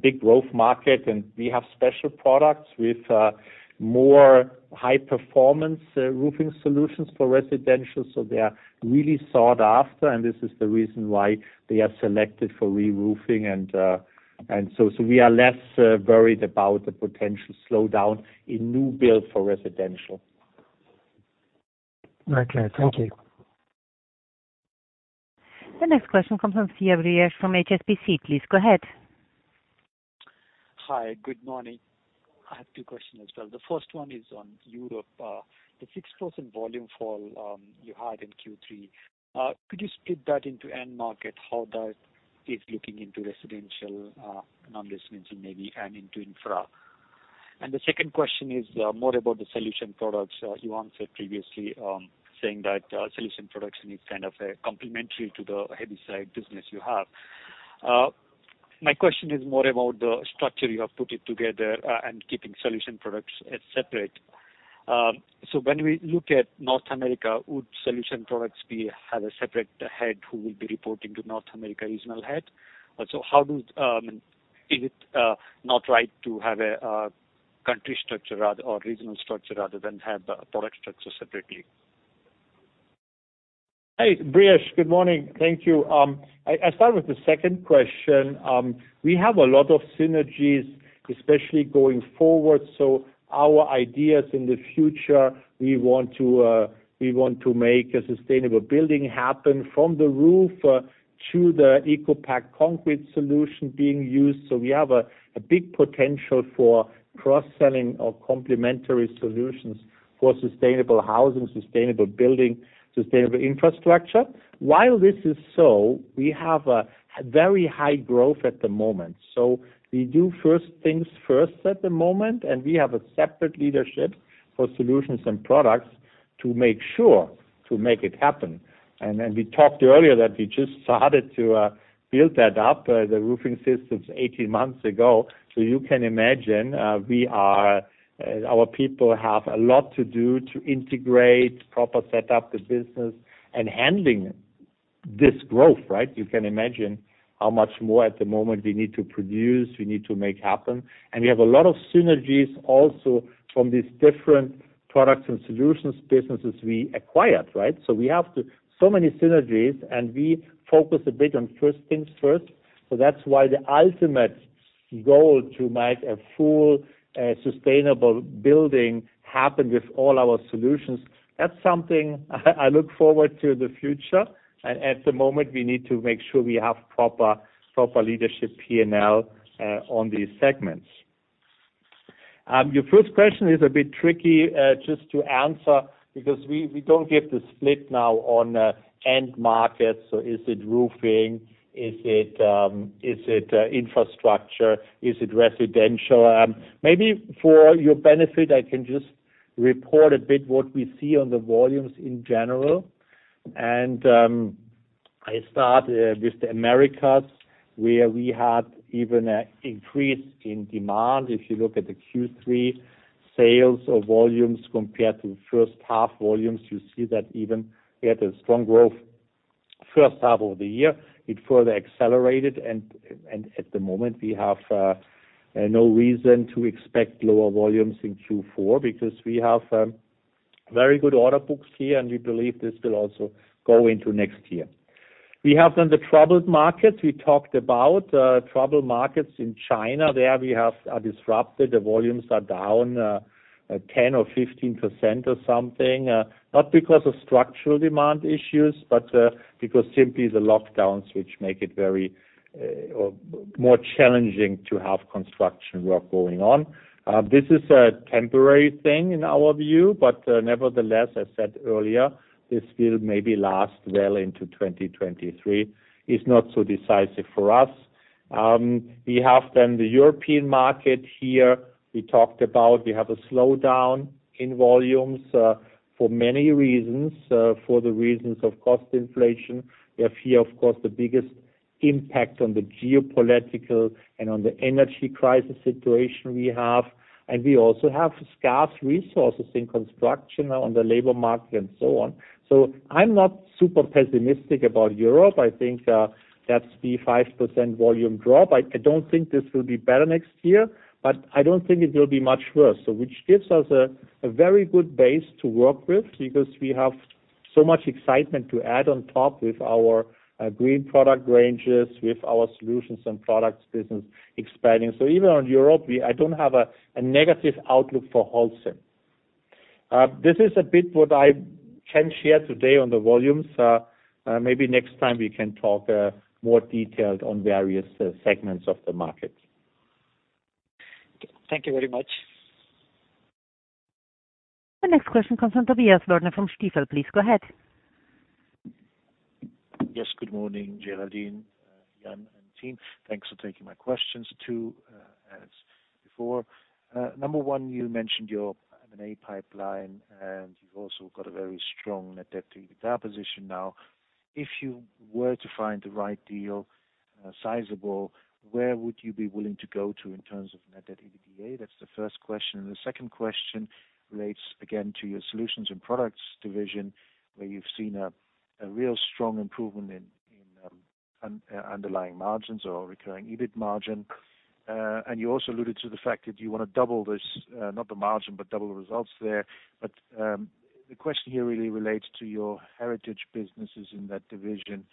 big growth market. We have special products with more high performance roofing solutions for residential, so they are really sought after, and this is the reason why they are selected for reroofing and so we are less worried about the potential slowdown in new build for residential. Right, Lars. Thank you. The next question comes from Brijesh Siyani from HSBC. Please go ahead. Hi, good morning. I have two questions as well. The first one is on Europe. The 6% volume fall you had in Q3, could you split that into end market, how that is looking into residential, non-residential maybe, and into infra? The second question is more about the solution products. You answered previously, saying that solution products is kind of a complement to the heavy side business you have. My question is more about the structure you have put together, and keeping solution products as separate. So when we look at North America, would solution products have a separate head who will be reporting to North America regional head? Also, is it not right to have a country structure rather or regional structure rather than have product structure separately? Hey, Brijesh Siya. Good morning. Thank you. I start with the second question. We have a lot of synergies, especially going forward, so our ideas in the future, we want to make a sustainable building happen from the roof to the ECOPact concrete solution being used. We have a big potential for cross-selling of complementary solutions for sustainable housing, sustainable building, sustainable infrastructure. While this is so, we have a very high growth at the moment. We do first things first at the moment, and we have a separate leadership for solutions and products to make sure to make it happen. We talked earlier that we just started to build that up, the roofing systems 18 months ago. You can imagine, our people have a lot to do to integrate, properly set up the business and handle this growth, right? You can imagine how much more at the moment we need to produce, we need to make happen. We have a lot of synergies also from these different products and solutions businesses we acquired, right? We have so many synergies, and we focus a bit on first things first. That's why the ultimate goal to make a fully sustainable building happen with all our solutions, that's something I look forward to the future. At the moment, we need to make sure we have proper P&L leadership on these segments. Your first question is a bit tricky just to answer because we don't give the split now on end markets. Is it roofing? Is it infrastructure? Is it residential? Maybe for your benefit, I can just report a bit what we see on the volumes in general. I start with the Americas, where we had even an increase in demand. If you look at the Q3 sales or volumes compared to first half volumes, you see that we even had a strong growth first half of the year. It further accelerated and at the moment, we have no reason to expect lower volumes in Q4 because we have very good order books here, and we believe this will also go into next year. We then have the troubled markets. We talked about troubled markets in China. There we have a disrupted. The volumes are down, 10 or 15% or something, not because of structural demand issues, but, because simply the lockdowns which make it very, or more challenging to have construction work going on. This is a temporary thing in our view, but, nevertheless, I said earlier, this will maybe last well into 2023. It's not so decisive for us. We have then the European market here. We talked about we have a slowdown in volumes, for many reasons. For the reasons of cost inflation. We have here, of course, the biggest impact on the geopolitical and on the energy crisis situation we have. We also have scarce resources in construction on the labor market and so on. I'm not super pessimistic about Europe. I think, that's the 5% volume drop. I don't think this will be better next year, but I don't think it will be much worse. Which gives us a very good base to work with because we have so much excitement to add on top with our green product ranges, with our solutions and products business expanding. Even on Europe, I don't have a negative outlook for Holcim. This is a bit what I can share today on the volumes. Maybe next time we can talk more detailed on various segments of the market. Thank you very much. The next question comes from Tobias Woerner from Stifel. Please go ahead. Yes, good morning Géraldine, Jan, and team. Thanks for taking my questions too, as before. Number one, you mentioned your M&A pipeline, and you've also got a very strong net debt to EBITDA position now. If you were to find the right deal, sizable, where would you be willing to go to in terms of net debt to EBITDA? That's the first question. The second question relates again to your solutions and products division, where you've seen a real strong improvement in underlying margins or Recurring EBIT margin. You also alluded to the fact that you wanna double this, not the margin, but double the results there. The question here really relates to your heritage businesses in that division.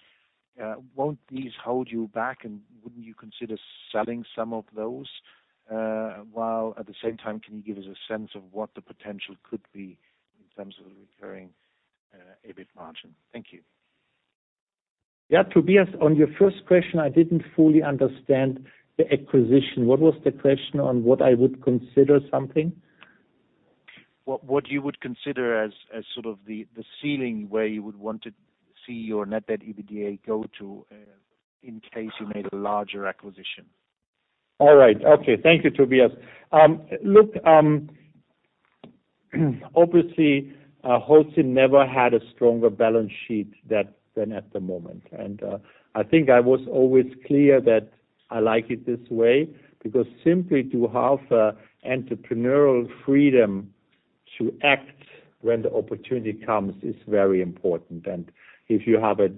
Won't these hold you back, and wouldn't you consider selling some of those? While at the same time, can you give us a sense of what the potential could be in terms of Recurring EBIT margin? Thank you. Yeah, Tobias, on your first question, I didn't fully understand the acquisition. What was the question on what I would consider something? What you would consider as sort of the ceiling where you would want to see your net debt to EBITDA go to, in case you made a larger acquisition? All right. Okay. Thank you, Tobias. Look, obviously, Holcim never had a stronger balance sheet than at the moment. I think I was always clear that I like it this way, because simply to have entrepreneurial freedom to act when the opportunity comes is very important. If you have a,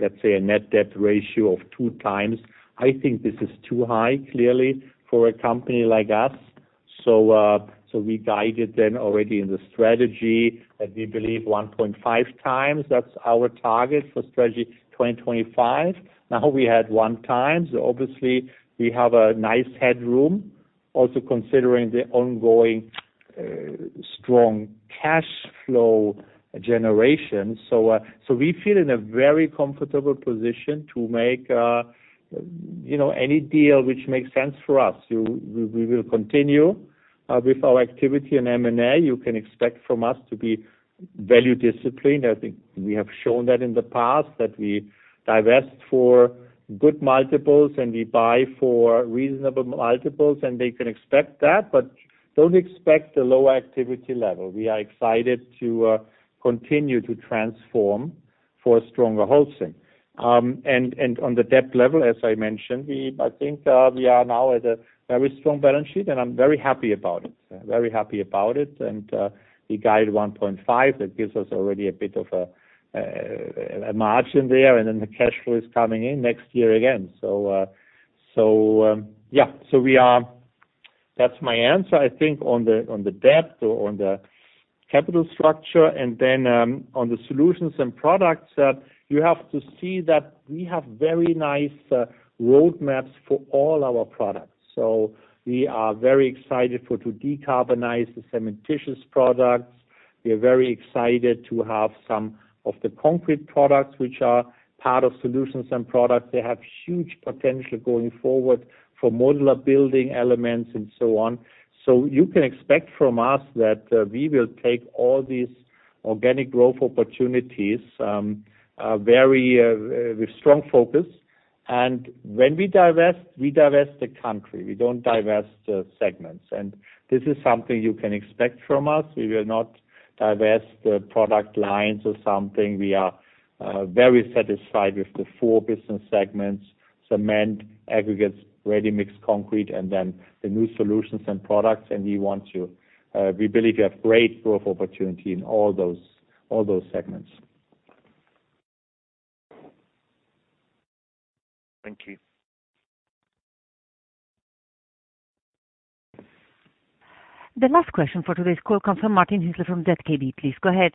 let's say, a net debt ratio of 2x, I think this is too high, clearly, for a company like us. We guided then already in the strategy that we believe 1.5x, that's our target for Strategy 2025. Now we had 1x. Obviously, we have a nice headroom also considering the ongoing strong cash flow generation. We feel in a very comfortable position to make, you know, any deal which makes sense for us. We will continue with our activity in M&A. You can expect from us to be value disciplined. I think we have shown that in the past, that we divest for good multiples, and we buy for reasonable multiples, and they can expect that. Don't expect a low activity level. We are excited to continue to transform for stronger Holcim. On the debt level, as I mentioned, I think we are now at a very strong balance sheet, and I'm very happy about it. Very happy about it. We guide 1.5. That gives us already a bit of a margin there, and then the cash flow is coming in next year again. That's my answer, I think, on the debt or on the capital structure. On the solutions and products, you have to see that we have very nice roadmaps for all our products. We are very excited to decarbonize the cementitious products. We are very excited to have some of the concrete products which are part of solutions and products. They have huge potential going forward for modular building elements and so on. You can expect from us that we will take all these organic growth opportunities, very with strong focus. When we divest, we divest the country. We don't divest segments. This is something you can expect from us. We will not divest product lines or something. We are very satisfied with the four business segments, cement, aggregates, ready-mix concrete, and then the new solutions and products. We want to, we believe we have great growth opportunity in all those segments. Thank you. The last question for today's call comes from Martin Hüsler from Zürcher Kantonalbank. Please go ahead.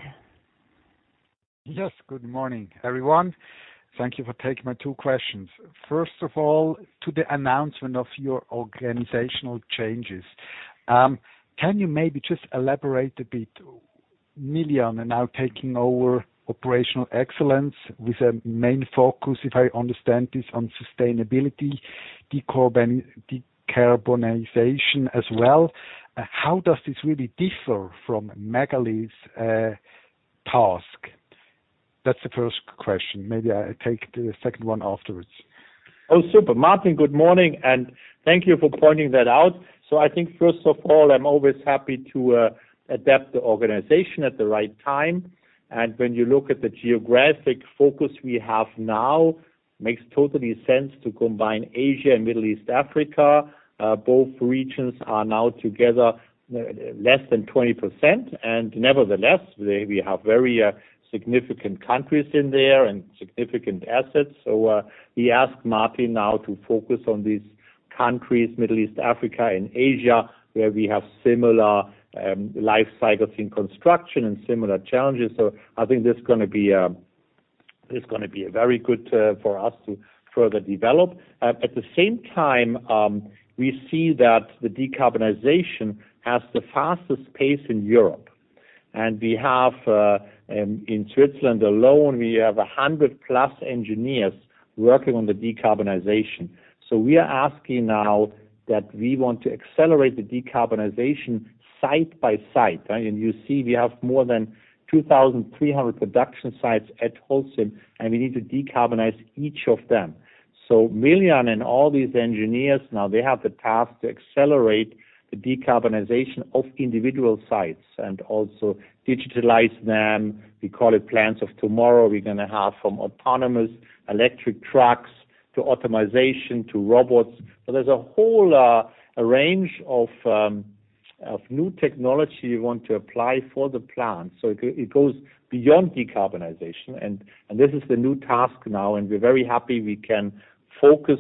Yes, good morning, everyone. Thank you for taking my two questions. First of all, to the announcement of your organizational changes. Can you maybe just elaborate a bit? Miljan are now taking over operational excellence with a main focus, if I understand this, on sustainability, decarbonization as well. How does this really differ from Magali's task? That's the first question. Maybe I take the second one afterwards. Oh, super. Martin, good morning, and thank you for pointing that out. I think, first of all, I'm always happy to adapt the organization at the right time. When you look at the geographic focus we have now, it makes total sense to combine Asia and Middle East, Africa. Both regions are now together less than 20%. Nevertheless, we have very significant countries in there and significant assets. We ask Martin now to focus on these countries, Middle East, Africa, and Asia, where we have similar life cycles in construction and similar challenges. I think that's gonna be a very good for us to further develop. At the same time, we see that the decarbonization has the fastest pace in Europe. We have in Switzerland alone a hundred plus engineers working on the decarbonization. We are asking now that we want to accelerate the decarbonization site by site. You see we have more than 2,300 production sites at Holcim, and we need to decarbonize each of them. Miljan and all these engineers now they have the task to accelerate the decarbonization of individual sites. Also digitalize them. We call it Plants of Tomorrow. We're gonna have from autonomous electric trucks to automation to robots. There's a whole range of new technology we want to apply for the plant. It goes beyond decarbonization. This is the new task now, and we're very happy we can focus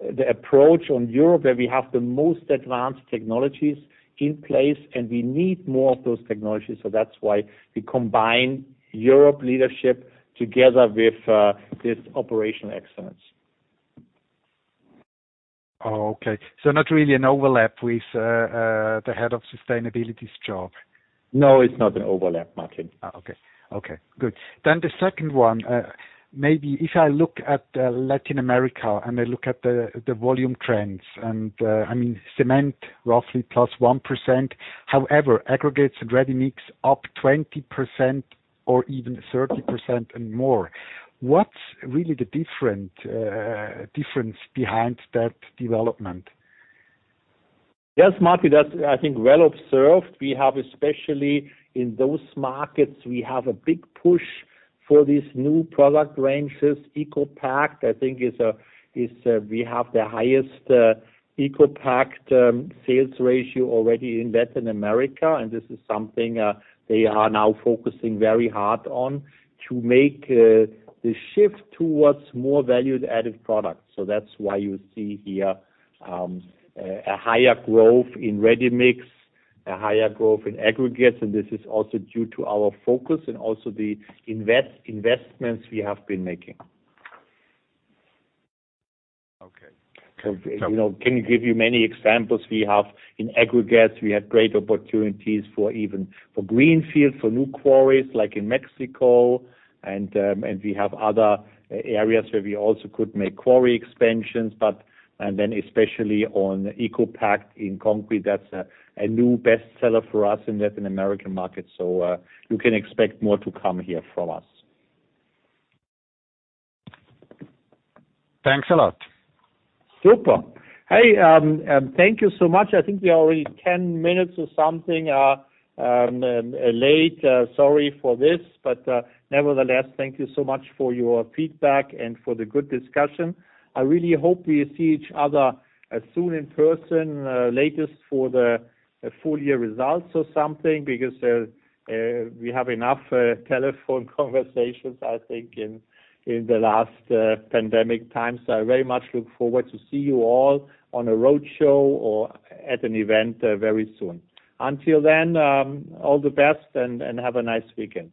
the approach on Europe, where we have the most advanced technologies in place, and we need more of those technologies. That's why we combine Europe leadership together with this operational excellence. Oh, okay. Not really an overlap with the head of sustainability's job? No, it's not an overlap, Martin. The second one. Maybe if I look at Latin America, and I look at the volume trends, and I mean, cement roughly +1%, however, aggregates and ready-mix up 20% or even 30% and more. What's really the difference behind that development? Yes, Martin, that's, I think, well observed. We have, especially in those markets, a big push for these new product ranges. ECOPact, I think, we have the highest ECOPact sales ratio already in Latin America, and this is something they are now focusing very hard on to make the shift towards more value-added products. That's why you see here a higher growth in ready mix, a higher growth in aggregates. This is also due to our focus and also the investments we have been making. Okay. You know, can give you many examples. We have in aggregates great opportunities even for greenfield, for new quarries, like in Mexico. We have other areas where we also could make quarry expansions. Then especially on ECOPact in concrete, that's a new bestseller for us in Latin American markets, so you can expect more to come here from us. Thanks a lot. Super. Hey, thank you so much. I think we are already 10 minutes or something late. Sorry for this, but nevertheless, thank you so much for your feedback and for the good discussion. I really hope we see each other soon in person, latest for the full year results or something, because we have enough telephone conversations, I think, in the last pandemic times. I very much look forward to see you all on a road show or at an event very soon. Until then, all the best and have a nice weekend.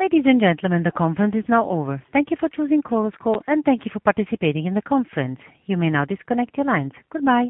Ladies and gentlemen, the conference is now over. Thank you for choosing Chorus Call, and thank you for participating in the conference. You may now disconnect your lines. Goodbye.